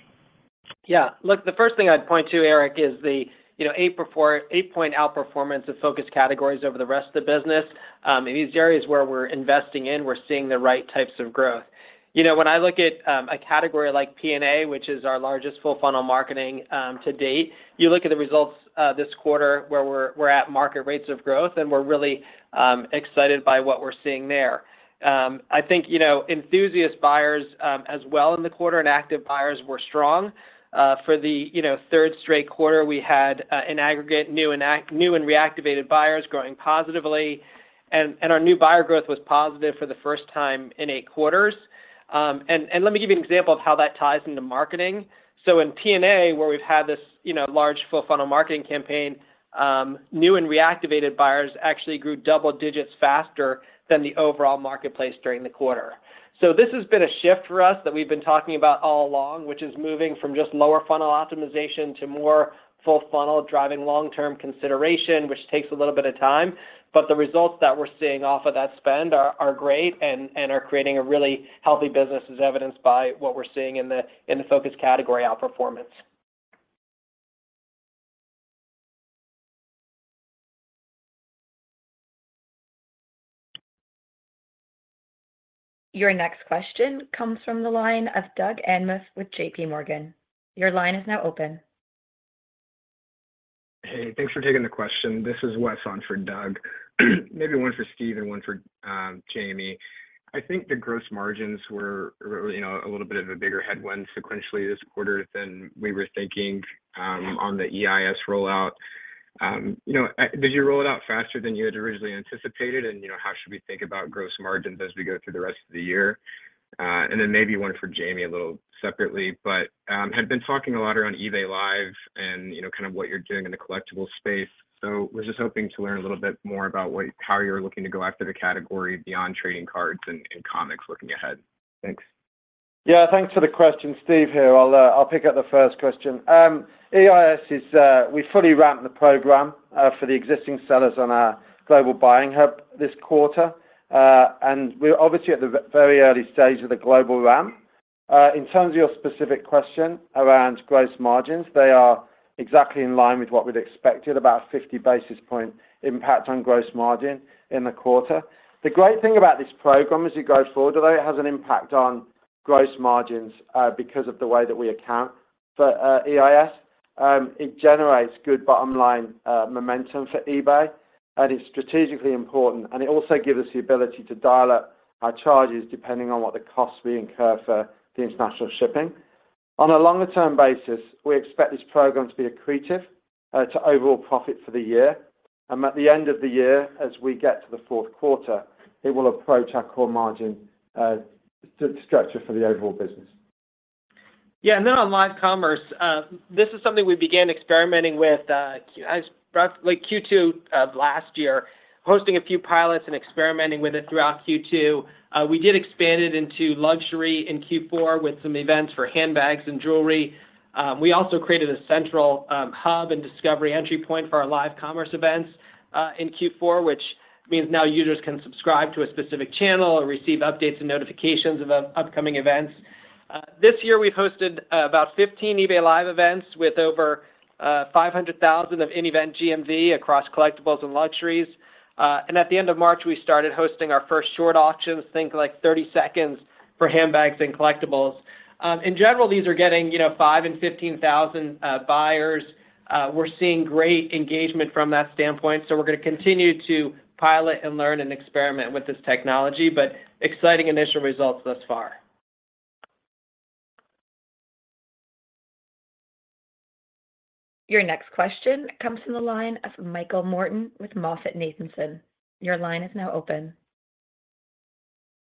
Yeah. Look, the first thing I'd point to, Eric, is the, you know, 8-point outperformance of focus categories over the rest of the business. In these areas where we're investing in, we're seeing the right types of growth. You know, when I look at a category like P&A, which is our largest full funnel marketing to date, you look at the results this quarter where we're at market rates of growth, and we're really excited by what we're seeing there. I think, you know, enthusiast buyers as well in the quarter and active buyers were strong. For the, you know, 3rd straight quarter, we had an aggregate new and reactivated buyers growing positively. Our new buyer growth was positive for the first time in eight quarters. Let me give you an example of how that ties into marketing. In P&A, where we've had this, you know, large full funnel marketing campaign, new and reactivated buyers actually grew double digits faster than the overall marketplace during the quarter. This has been a shift for us that we've been talking about all along, which is moving from just lower funnel optimization to more full funnel, driving long-term consideration, which takes a little bit of time. The results that we're seeing off of that spend are great and are creating a really healthy business as evidenced by what we're seeing in the focus category outperformance.
Your next question comes from the line of Wes with JPMorgan. Your line is now open.
Hey, thanks for taking the question. This is Wes on for Doug. Maybe one for Steve and one for Jamie. I think the gross margins were you know, a little of a bigger headwind sequentially this quarter than we were thinking on the EIS rollout. You know, did you roll it out faster than you had originally anticipated? You know, how should we think about gross margins as we go through the rest of the year? Maybe one for Jamie a little separately, but had been talking a lot around eBay Live and, you know, kind of what you're doing in the collectibles space. Was just hoping to learn a little bit more about how you're looking to go after the category beyond trading cards and comics looking ahead. Thanks.
Yeah, thanks for the question. Steve here. I'll pick up the first question. EIS is we fully ramped the program for the existing sellers on our global buying hub this quarter. We're obviously at the very early stage of the global ramp. In terms of your specific question around gross margins, they are exactly in line with what we'd expected, about 50 basis point impact on gross margin in the quarter. The great thing about this program as you go forward, although it has an impact on gross margins, because of the way that we account for EIS, it generates good bottom-line momentum for eBay, it's strategically important, it also gives us the ability to dial up our charges depending on what the costs we incur for the international shipping. On a longer-term basis, we expect this program to be accretive to overall profit for the year. At the end of the year, as we get to the fourth quarter, it will approach our core margin structure for the overall business.
Then on live commerce, this is something we began experimenting with as approximately Q2 of last year, hosting a few pilots and experimenting with it throughout Q2. We did expand it into luxury in Q4 with some events for handbags and jewelry. We also created a central hub and discovery entry point for our live commerce events in Q4, which means now users can subscribe to a specific channel or receive updates and notifications about upcoming events. This year we've hosted about 15 eBay Live events with over $500,000 of in-event GMV across collectibles and luxuries. At the end of March, we started hosting our first short auctions, think like 30 seconds for handbags and collectibles. In general, these are getting, you know, 5,000 and 15,000 buyers. We're seeing great engagement from that standpoint. We're going to continue to pilot and learn and experiment with this technology. Exciting initial results thus far.
Your next question comes from the line of Michael Morton with MoffettNathanson. Your line is now open.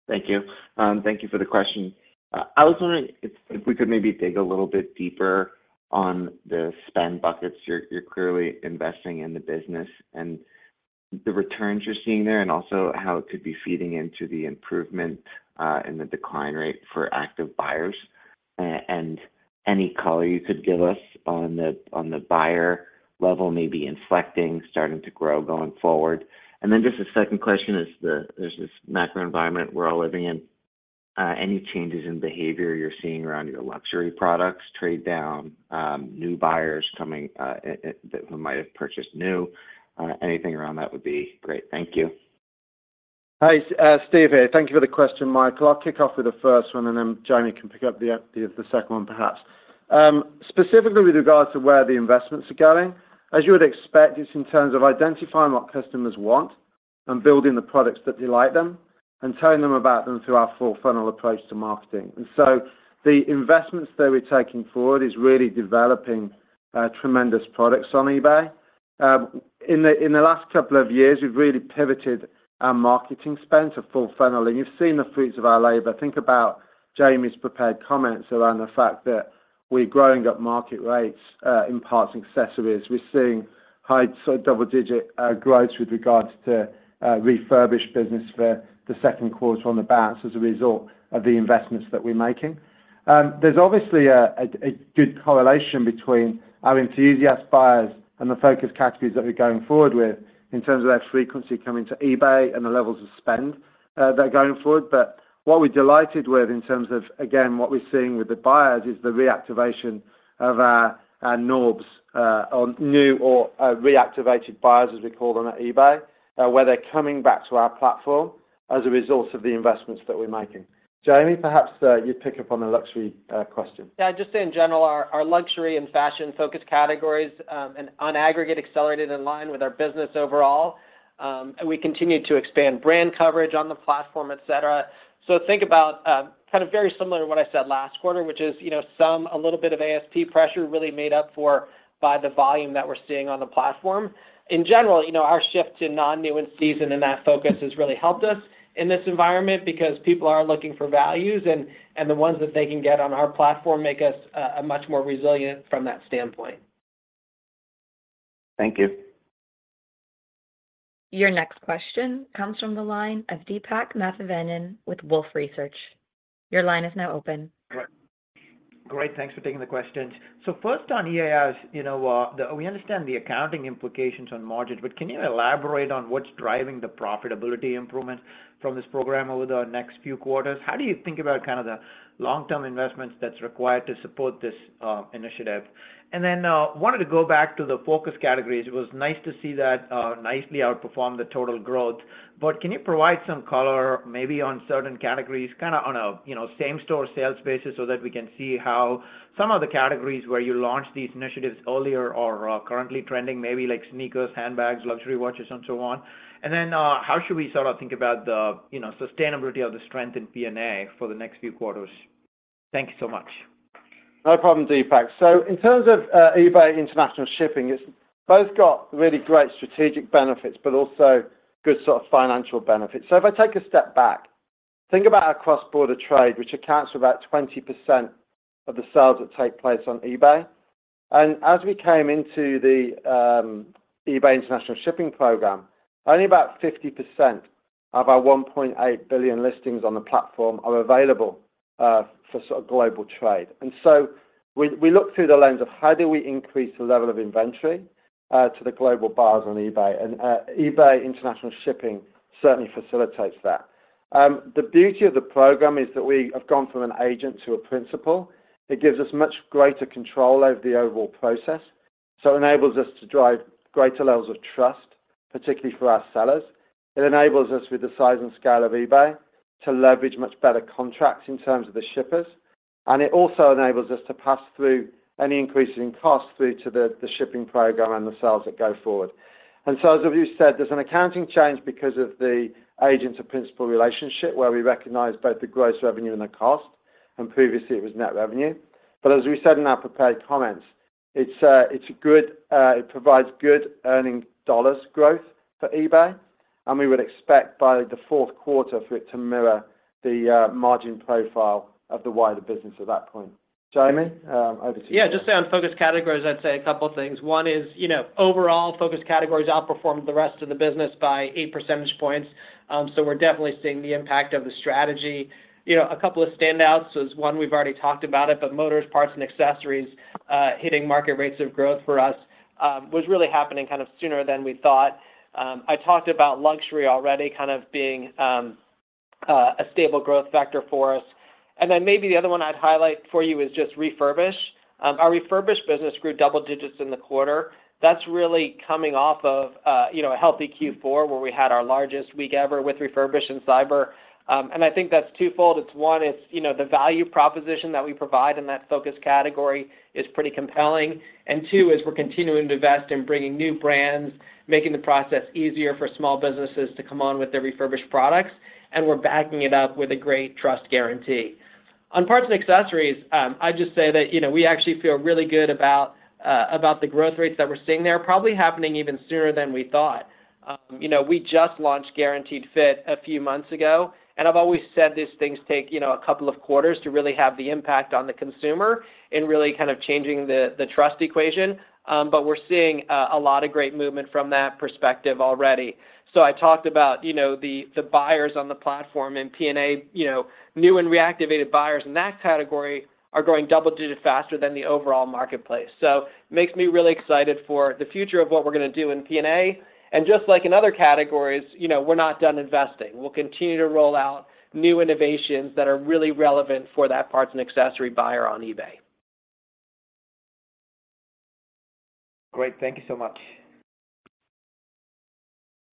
Thank you. Thank you for the question. I was wondering if we could maybe dig a little bit deeper on the spend buckets. You're clearly investing in the business The returns you're seeing there and also how it could be feeding into the improvement in the decline rate for active buyers, and any color you could give us on the buyer level maybe inflecting, starting to grow going forward. Just the second question is there's this macro environment we're all living in, any changes in behavior you're seeing around either luxury products trade down, new buyers coming, that might have purchased new, anything around that would be great. Thank you.
Hey, Steve here. Thank you for the question, Michael Morton. I'll kick off with the first one, and then Jamie Iannone can pick up the second one, perhaps. Specifically with regards to where the investments are going, as you would expect, it's in terms of identifying what customers want and building the products that delight them and telling them about them through our full funnel approach to marketing. The investments that we're taking forward is really developing tremendous products on eBay. In the last couple of years, we've really pivoted our marketing spend to full funnel, and you've seen the fruits of our labor. Think about Jamie Iannone's prepared comments around the fact that we're growing up market rates in parts and accessories. We're seeing high double-digit growth with regards to refurbished business for the second quarter on the bounce as a result of the investments that we're making. There's obviously a good correlation between our enthusiast buyers and the focus categories that we're going forward with in terms of their frequency coming to eBay and the levels of spend that are going forward. What we're delighted with in terms of, again, what we're seeing with the buyers is the reactivation of our NORBs, or New or Reactivated Buyers, as we call them at eBay, where they're coming back to our platform as a result of the investments that we're making. Jamie, perhaps, you pick up on the luxury question.
Yeah. Just in general, our luxury and fashion-focused categories, on aggregate accelerated in line with our business overall. We continue to expand brand coverage on the platform, et cetera. Think about, kind of very similar to what I said last quarter, which is, you know, some a little bit of ASP pressure really made up for by the volume that we're seeing on the platform. In general, you know, our shift to non-new and season, and that focus has really helped us in this environment because people are looking for values and the ones that they can get on our platform make us much more resilient from that standpoint.
Thank you.
Your next question comes from the line of Deepak Mathivanan with Wolfe Research. Your line is now open.
Great. Thanks for taking the questions. First on EIS, you know, we understand the accounting implications on margins, but can you elaborate on what's driving the profitability improvement from this program over the next few quarters? How do you think about kind of the long-term investments that's required to support this initiative? Wanted to go back to the focus categories. It was nice to see that nicely outperformed the total growth. Can you provide some color maybe on certain categories, kinda on a, you know, same-store sales basis so that we can see how some of the categories where you launched these initiatives earlier are currently trending, maybe like sneakers, handbags, luxury watches, and so on. How should we sort of think about the, you know, sustainability of the strength in P&A for the next few quarters? Thank you so much.
No problem, Deepak. In terms of eBay International Shipping, it's both got really great strategic benefits, but also good sort of financial benefits. If I take a step back, think about our cross-border trade, which accounts for about 20% of the sales that take place on eBay. As we came into the eBay International Shipping program, only about 50% of our 1.8 billion listings on the platform are available for sort of global trade. We look through the lens of how do we increase the level of inventory to the global buyers on eBay, and eBay International Shipping certainly facilitates that. The beauty of the program is that we have gone from an agent to a principal. It gives us much greater control over the overall process, so enables us to drive greater levels of trust, particularly for our sellers. It enables us with the size and scale of eBay to leverage much better contracts in terms of the shippers. It also enables us to pass through any increases in cost through to the shipping program and the sales that go forward. As you said, there's an accounting change because of the agent-to-principal relationship, where we recognize both the gross revenue and the cost, and previously it was net revenue. As we said in our prepared comments, it provides good earning dollars growth for eBay, and we would expect by the fourth quarter for it to mirror the margin profile of the wider business at that point. Jamie, over to you.
Yeah. Just on focus categories, I'd say a couple of things. One is, you know, overall, focus categories outperformed the rest of the business by 8 percentage points. We're definitely seeing the impact of the strategy. You know, a couple of standouts is, one, we've already talked about it, but motors, parts, and accessories hitting market rates of growth for us was really happening kind of sooner than we thought. I talked about luxury already kind of being a stable growth factor for us. Maybe the other one I'd highlight for you is just refurbish. Our refurbish business grew double-digits in the quarter. That's really coming off of, you know, a healthy Q4, where we had our largest week ever with refurbish in cyber. I think that's twofold. It's, one, you know, the value proposition that we provide in that focus category is pretty compelling. Two, is we're continuing to invest in bringing new brands, making the process easier for small businesses to come on with their refurbished products, and we're backing it up with a great trust guarantee. On parts and accessories, I'd just say that, you know, we actually feel really good about the growth rates that we're seeing there, probably happening even sooner than we thought. You know, we just launched Guaranteed Fit a few months ago, and I've always said these things take, you know, a couple of quarters to really have the impact on the consumer in really kind of changing the trust equation. We're seeing a lot of great movement from that perspective already. I talked about, you know, the buyers on the platform in P&A. You know, new and reactivated buyers in that category are growing double-digit faster than the overall marketplace. Makes me really excited for the future of what we're gonna do in P&A, and just like in other categories, you know, we're not done investing. We'll continue to roll out new innovations that are really relevant for that parts and accessory buyer on eBay.
Great. Thank you so much.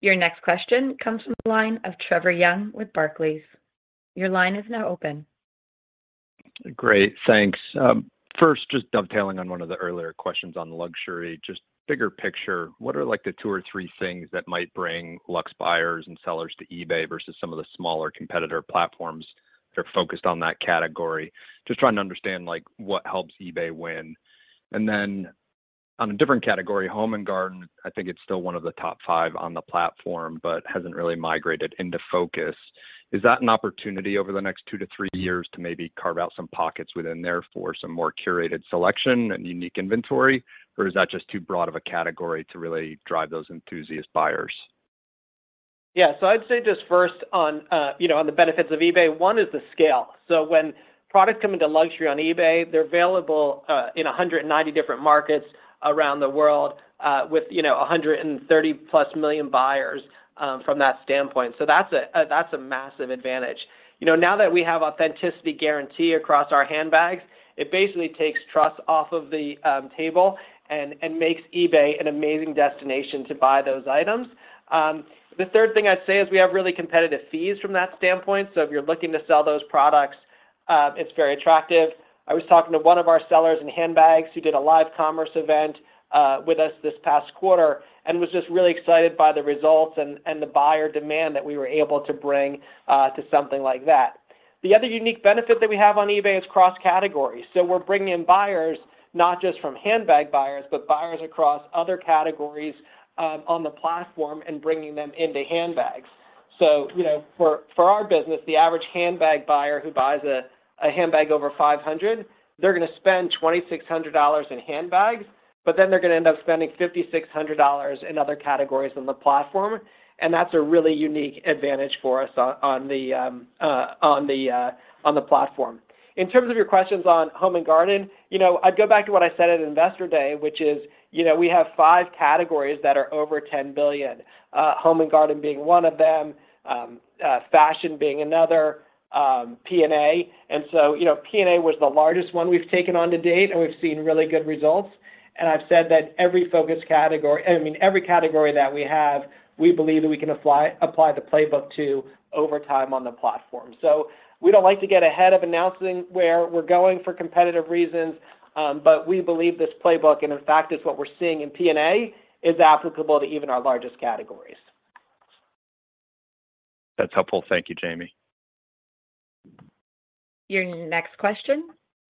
Your next question comes from the line of Trevor Young with Barclays. Your line is now open.
Great. Thanks. first, just dovetailing on one of the earlier questions on luxury, just bigger picture, what are like the two or three things that might bring luxe buyers and sellers to eBay versus some of the smaller competitor platforms that are focused on that category? Just trying to understand, like, what helps eBay win. On a different category, home and garden, I think it's still one of the top five on the platform, but hasn't really migrated into focus. Is that an opportunity over the next two to three years to maybe carve out some pockets within there for some more curated selection and unique inventory, or is that just too broad of a category to really drive those enthusiast buyers?
Yeah. I'd say just first on, you know, on the benefits of eBay, one is the scale. When products come into luxury on eBay, they're available in 190 different markets around the world, with, you know, 130-plus million buyers from that standpoint. That's a massive advantage. You know, now that we have Authenticity Guarantee across our handbags, it basically takes trust off of the table and makes eBay an amazing destination to buy those items. The third thing I'd say is we have really competitive fees from that standpoint, so if you're looking to sell those products, it's very attractive. I was talking to one of our sellers in handbags who did a live commerce event with us this past quarter and was just really excited by the results and the buyer demand that we were able to bring to something like that. The other unique benefit that we have on eBay is cross category. We're bringing in buyers not just from handbag buyers, but buyers across other categories on the platform and bringing them into handbags. You know, for our business, the average handbag buyer who buys a handbag over 500, they're gonna spend $2,600 in handbags, but then they're gonna end up spending $5,600 in other categories on the platform, and that's a really unique advantage for us on the platform. In terms of your questions on home and garden, you know, I'd go back to what I said at Investor Day, which is, you know, we have five categories that are over $10 billion. Home and garden being one of them, fashion being another, P&A. You know, P&A was the largest one we've taken on to date, and we've seen really good results. I've said that every category that we have, we believe that we can apply the playbook to over time on the platform. We don't like to get ahead of announcing where we're going for competitive reasons, but we believe this playbook, and in fact it's what we're seeing in P&A, is applicable to even our largest categories.
That's helpful. Thank you, Jamie.
Your next question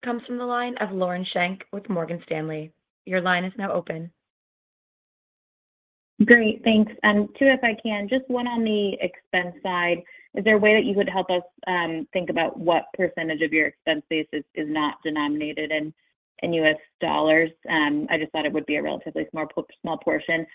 comes from the line of Lauren Schenk with Morgan Stanley. Your line is now open.
Great. Thanks. Two, if I can, just one on the expense side. Is there a way that you would help us think about what % of your expense base is not denominated in U.S. dollars? I just thought it would be a relatively small portion.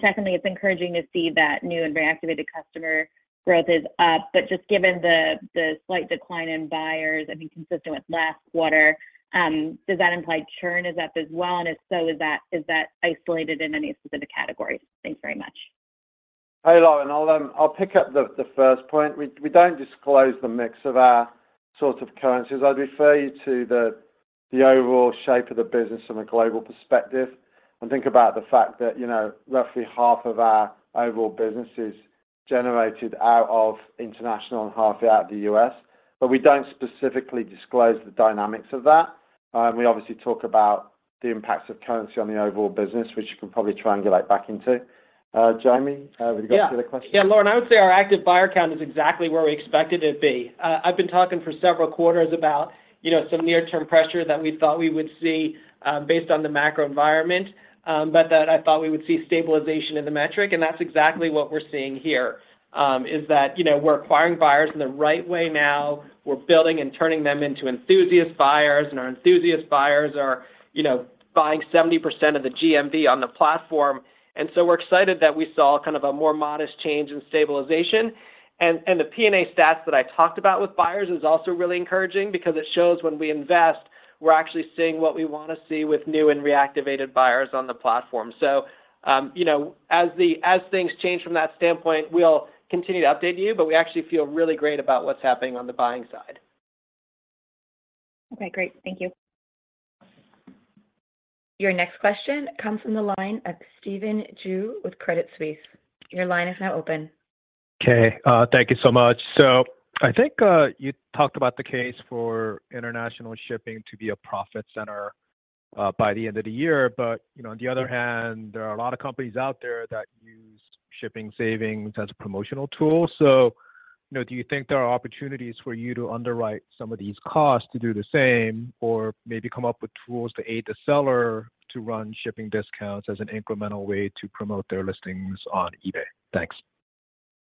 Secondly, it's encouraging to see that new and reactivated customer growth is up, but just given the slight decline in buyers, I think consistent with last quarter, does that imply churn is up as well? If so, is that isolated in any specific categories? Thanks very much.
Hey, Lauren. I'll pick up the first point. We don't disclose the mix of our sorts of currencies. I'd refer you to the overall shape of the business from a global perspective and think about the fact that, you know, roughly half of our overall business is generated out of international and half out of the U.S. We don't specifically disclose the dynamics of that. We obviously talk about the impacts of currency on the overall business, which you can probably triangulate back into. Jamie, have you got to the question?
Yeah. Lauren, I would say our active buyer count is exactly where we expected it to be. I've been talking for several quarters about, you know, some near-term pressure that we thought we would see, based on the macro environment, but that I thought we would see stabilization in the metric, and that's exactly what we're seeing here. Is that, you know, we're acquiring buyers in the right way now. We're building and turning them into enthusiast buyers, and our enthusiast buyers are, you know, buying 70% of the GMV on the platform. We're excited that we saw kind of a more modest change in stabilization. And the P&A stats that I talked about with buyers is also really encouraging because it shows when we invest, we're actually seeing what we wanna see with new and reactivated buyers on the platform. You know, as things change from that standpoint, we'll continue to update you, but we actually feel really great about what's happening on the buying side.
Okay, great. Thank you.
Your next question comes from the line of Steven Ju with Credit Suisse. Your line is now open.
Okay. Thank you so much. I think, you talked about the case for International Shipping to be a profit center, by the end of the year. You know, on the other hand, there are a lot of companies out there that shipping savings as a promotional tool. You know, do you think there are opportunities for you to underwrite some of these costs to do the same or maybe come up with tools to aid the seller to run shipping discounts as an incremental way to promote their listings on eBay? Thanks.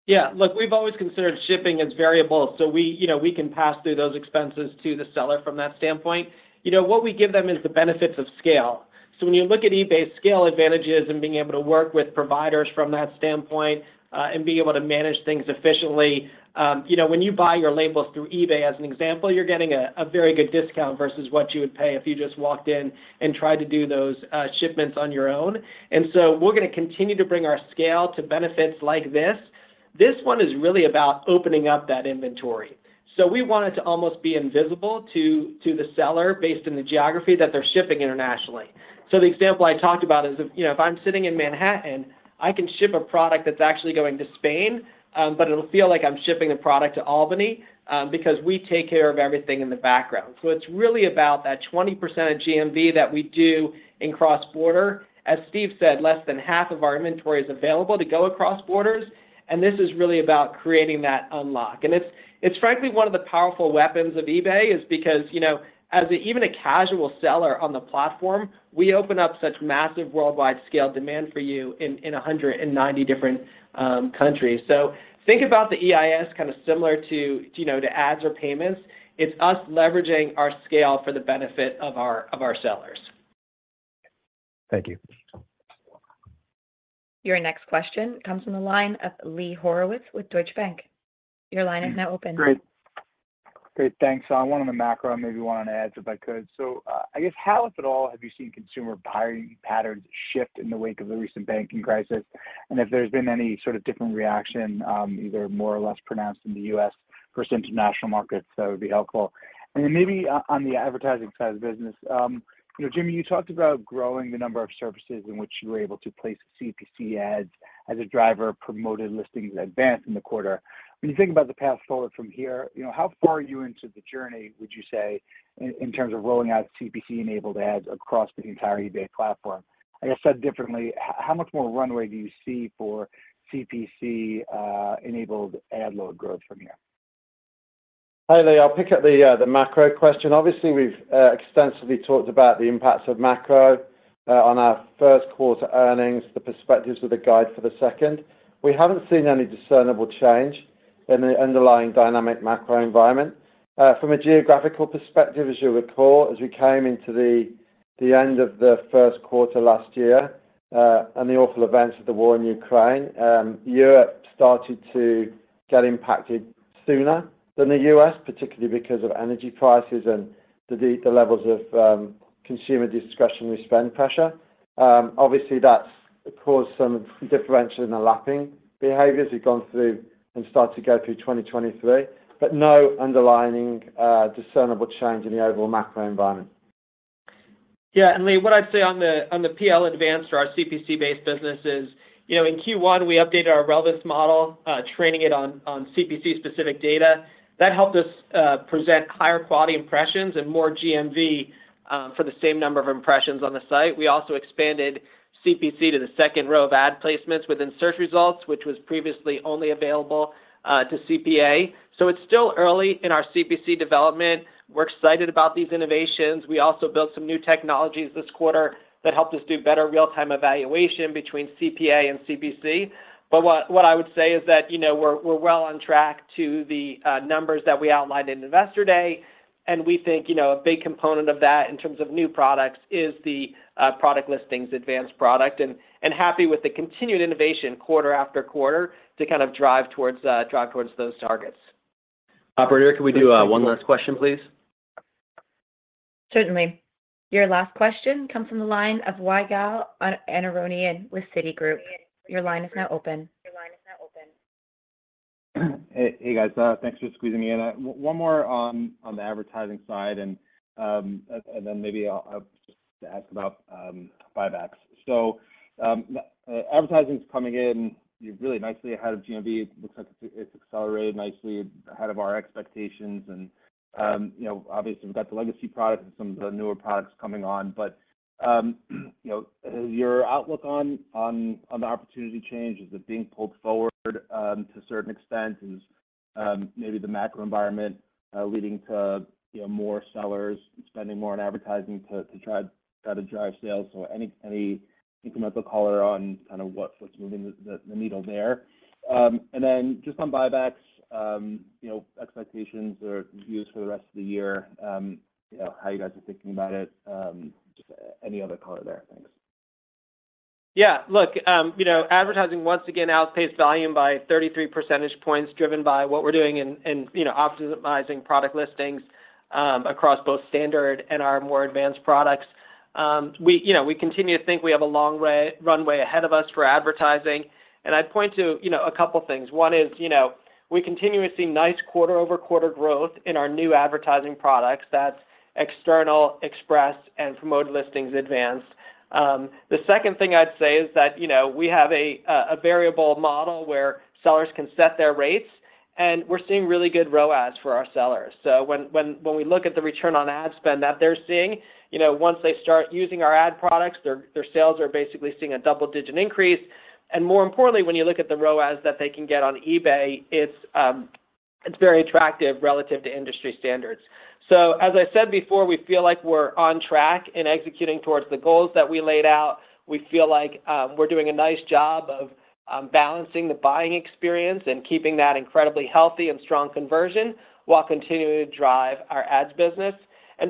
Yeah. Look, we've always considered shipping as variable, so we, you know, we can pass through those expenses to the seller from that standpoint. You know, what we give them is the benefits of scale. When you look at eBay's scale advantages and being able to work with providers from that standpoint, and being able to manage things efficiently, you know, when you buy your labels through eBay, as an example, you're getting a very good discount versus what you would pay if you just walked in and tried to do those shipments on your own. We're gonna continue to bring our scale to benefits like this. This one is really about opening up that inventory. We want it to almost be invisible to the seller based on the geography that they're shipping internationally. The example I talked about is if, you know, if I'm sitting in Manhattan, I can ship a product that's actually going to Spain, but it'll feel like I'm shipping a product to Albany, because we take care of everything in the background. It's really about that 20% of GMV that we do in cross-border. As Steve said, less than half of our inventory is available to go across borders. This is really about creating that unlock. It's frankly one of the powerful weapons of eBay is because, you know, as even a casual seller on the platform, we open up such massive worldwide scale demand for you in 190 different countries. Think about the EIS kind of similar to, you know, to ads or payments. It's us leveraging our scale for the benefit of our, of our sellers.
Thank you.
Your next question comes from the line of Lee Horowitz with Deutsche Bank. Your line is now open.
Great. Great. Thanks. I went on a macro, maybe one on ads, if I could. I guess how, if at all, have you seen consumer buying patterns shift in the wake of the recent banking crisis? If there's been any sort of different reaction, either more or less pronounced in the US versus international markets, that would be helpful. Maybe on the advertising side of the business, you know, Jamie, you talked about growing the number of services in which you were able to place CPC ads as a driver of Promoted Listings Advanced in the quarter. When you think about the path forward from here, you know, how far are you into the journey, would you say, in terms of rolling out CPC-enabled ads across the entire eBay platform? I guess said differently, how much more runway do you see for CPC enabled ad load growth from here?
Hi, Lee. I'll pick up the macro question. Obviously, we've extensively talked about the impacts of macro on our first quarter earnings, the perspectives with the guide for the second. We haven't seen any discernible change in the underlying dynamic macro environment. From a geographical perspective, as you'll recall, as we came into the end of the first quarter last year, and the awful events of the war in Ukraine, Europe started to get impacted sooner than the U.S., particularly because of energy prices and the levels of consumer discretionary spend pressure. Obviously, that's caused some differential in the lapping behaviors we've gone through and started to go through 2023, but no underlying discernible change in the overall macro environment.
Yeah. Lee, what I'd say on the, on the PL Advanced or our CPC-based business is, you know, in Q1, we updated our relevance model, training it on CPC specific data. That helped us present higher quality impressions and more GMV for the same number of impressions on the site. We also expanded CPC to the second row of ad placements within search results, which was previously only available to CPA. It's still early in our CPC development. We're excited about these innovations. We also built some new technologies this quarter that helped us do better real-time evaluation between CPA and CPC. What I would say is that, you know, we're well on track to the numbers that we outlined in Investor Day. We think, you know, a big component of that in terms of new products is the Promoted Listings Advanced product and happy with the continued innovation quarter-after-quarter to kind of drive towards those targets.
Operator, can we do one last question, please?
Certainly. Your last question comes from the line of Ygal Arounian with Citigroup. Your line is now open.
Hey, guys. Thanks for squeezing me in. One more on the advertising side and then maybe I'll just ask about buybacks. Advertising's coming in really nicely ahead of GMV. Looks like it's accelerated nicely ahead of our expectations and, you know, obviously we've got the legacy products and some of the newer products coming on. You know, has your outlook on the opportunity changed? Is it being pulled forward to a certain extent? Is maybe the macro environment leading to, you know, more sellers spending more on advertising to try to drive sales? Any incremental color on kind of what's moving the needle there? Just on buybacks, you know, expectations or views for the rest of the year, you know, how you guys are thinking about it, just any other color there? Thanks.
Yeah. Look, you know, advertising once again outpaced volume by 33 percentage points, driven by what we're doing in, you know, optimizing product listings, across both standard and our more advanced products. We, you know, we continue to think we have a long runway ahead of us for advertising. I'd point to, you know, a couple things. One is, you know, we continue to see nice quarter-over-quarter growth in our new advertising products. That's External Express and Promoted Listings Advanced. The second thing I'd say is that, you know, we have a variable model where sellers can set their rates. And we're seeing really good ROAS for our sellers. When we look at the return on ad spend that they're seeing, you know, once they start using our ad products, their sales are basically seeing a double-digit increase. More importantly, when you look at the ROAS that they can get on eBay, it's very attractive relative to industry standards. As I said before, we feel like we're on track in executing towards the goals that we laid out. We feel like we're doing a nice job of balancing the buying experience and keeping that incredibly healthy and strong conversion while continuing to drive our ads business.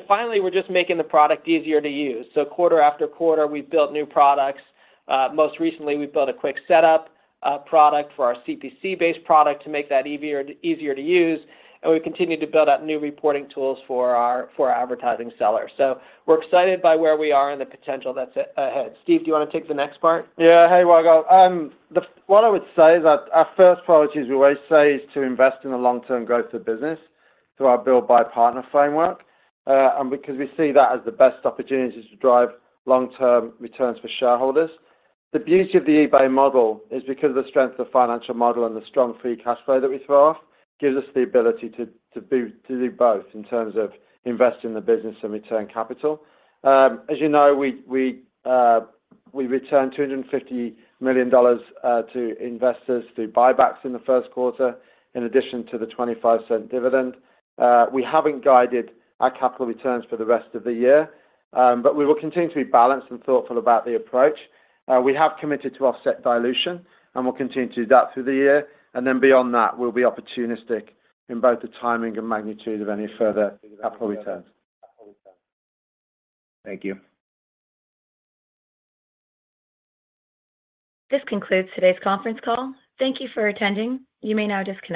Finally, we're just making the product easier to use. Quarter-after-quarter, we've built new products. Most recently, we built a quick setup product for our CPC-based product to make that easier to use, and we continue to build out new reporting tools for our advertising sellers. We're excited by where we are and the potential that's ahead. Steve, do you wanna take the next part?
Hey, Ygal. What I would say is that our first priority, as we always say, is to invest in the long-term growth of the business through our build-buy-partner framework, and because we see that as the best opportunities to drive long-term returns for shareholders. The beauty of the eBay model is because of the strength of financial model and the strong free cash flow that we throw off, gives us the ability to do both in terms of investing in the business and return capital. As you know, we returned $250 million to investors through buybacks in the first quarter in addition to the $0.25 dividend. We haven't guided our capital returns for the rest of the year, but we will continue to be balanced and thoughtful about the approach. We have committed to offset dilution, and we'll continue to do that through the year. Beyond that, we'll be opportunistic in both the timing and magnitude of any further capital returns.
Thank you.
This concludes today's conference call. Thank you for attending. You may now disconnect.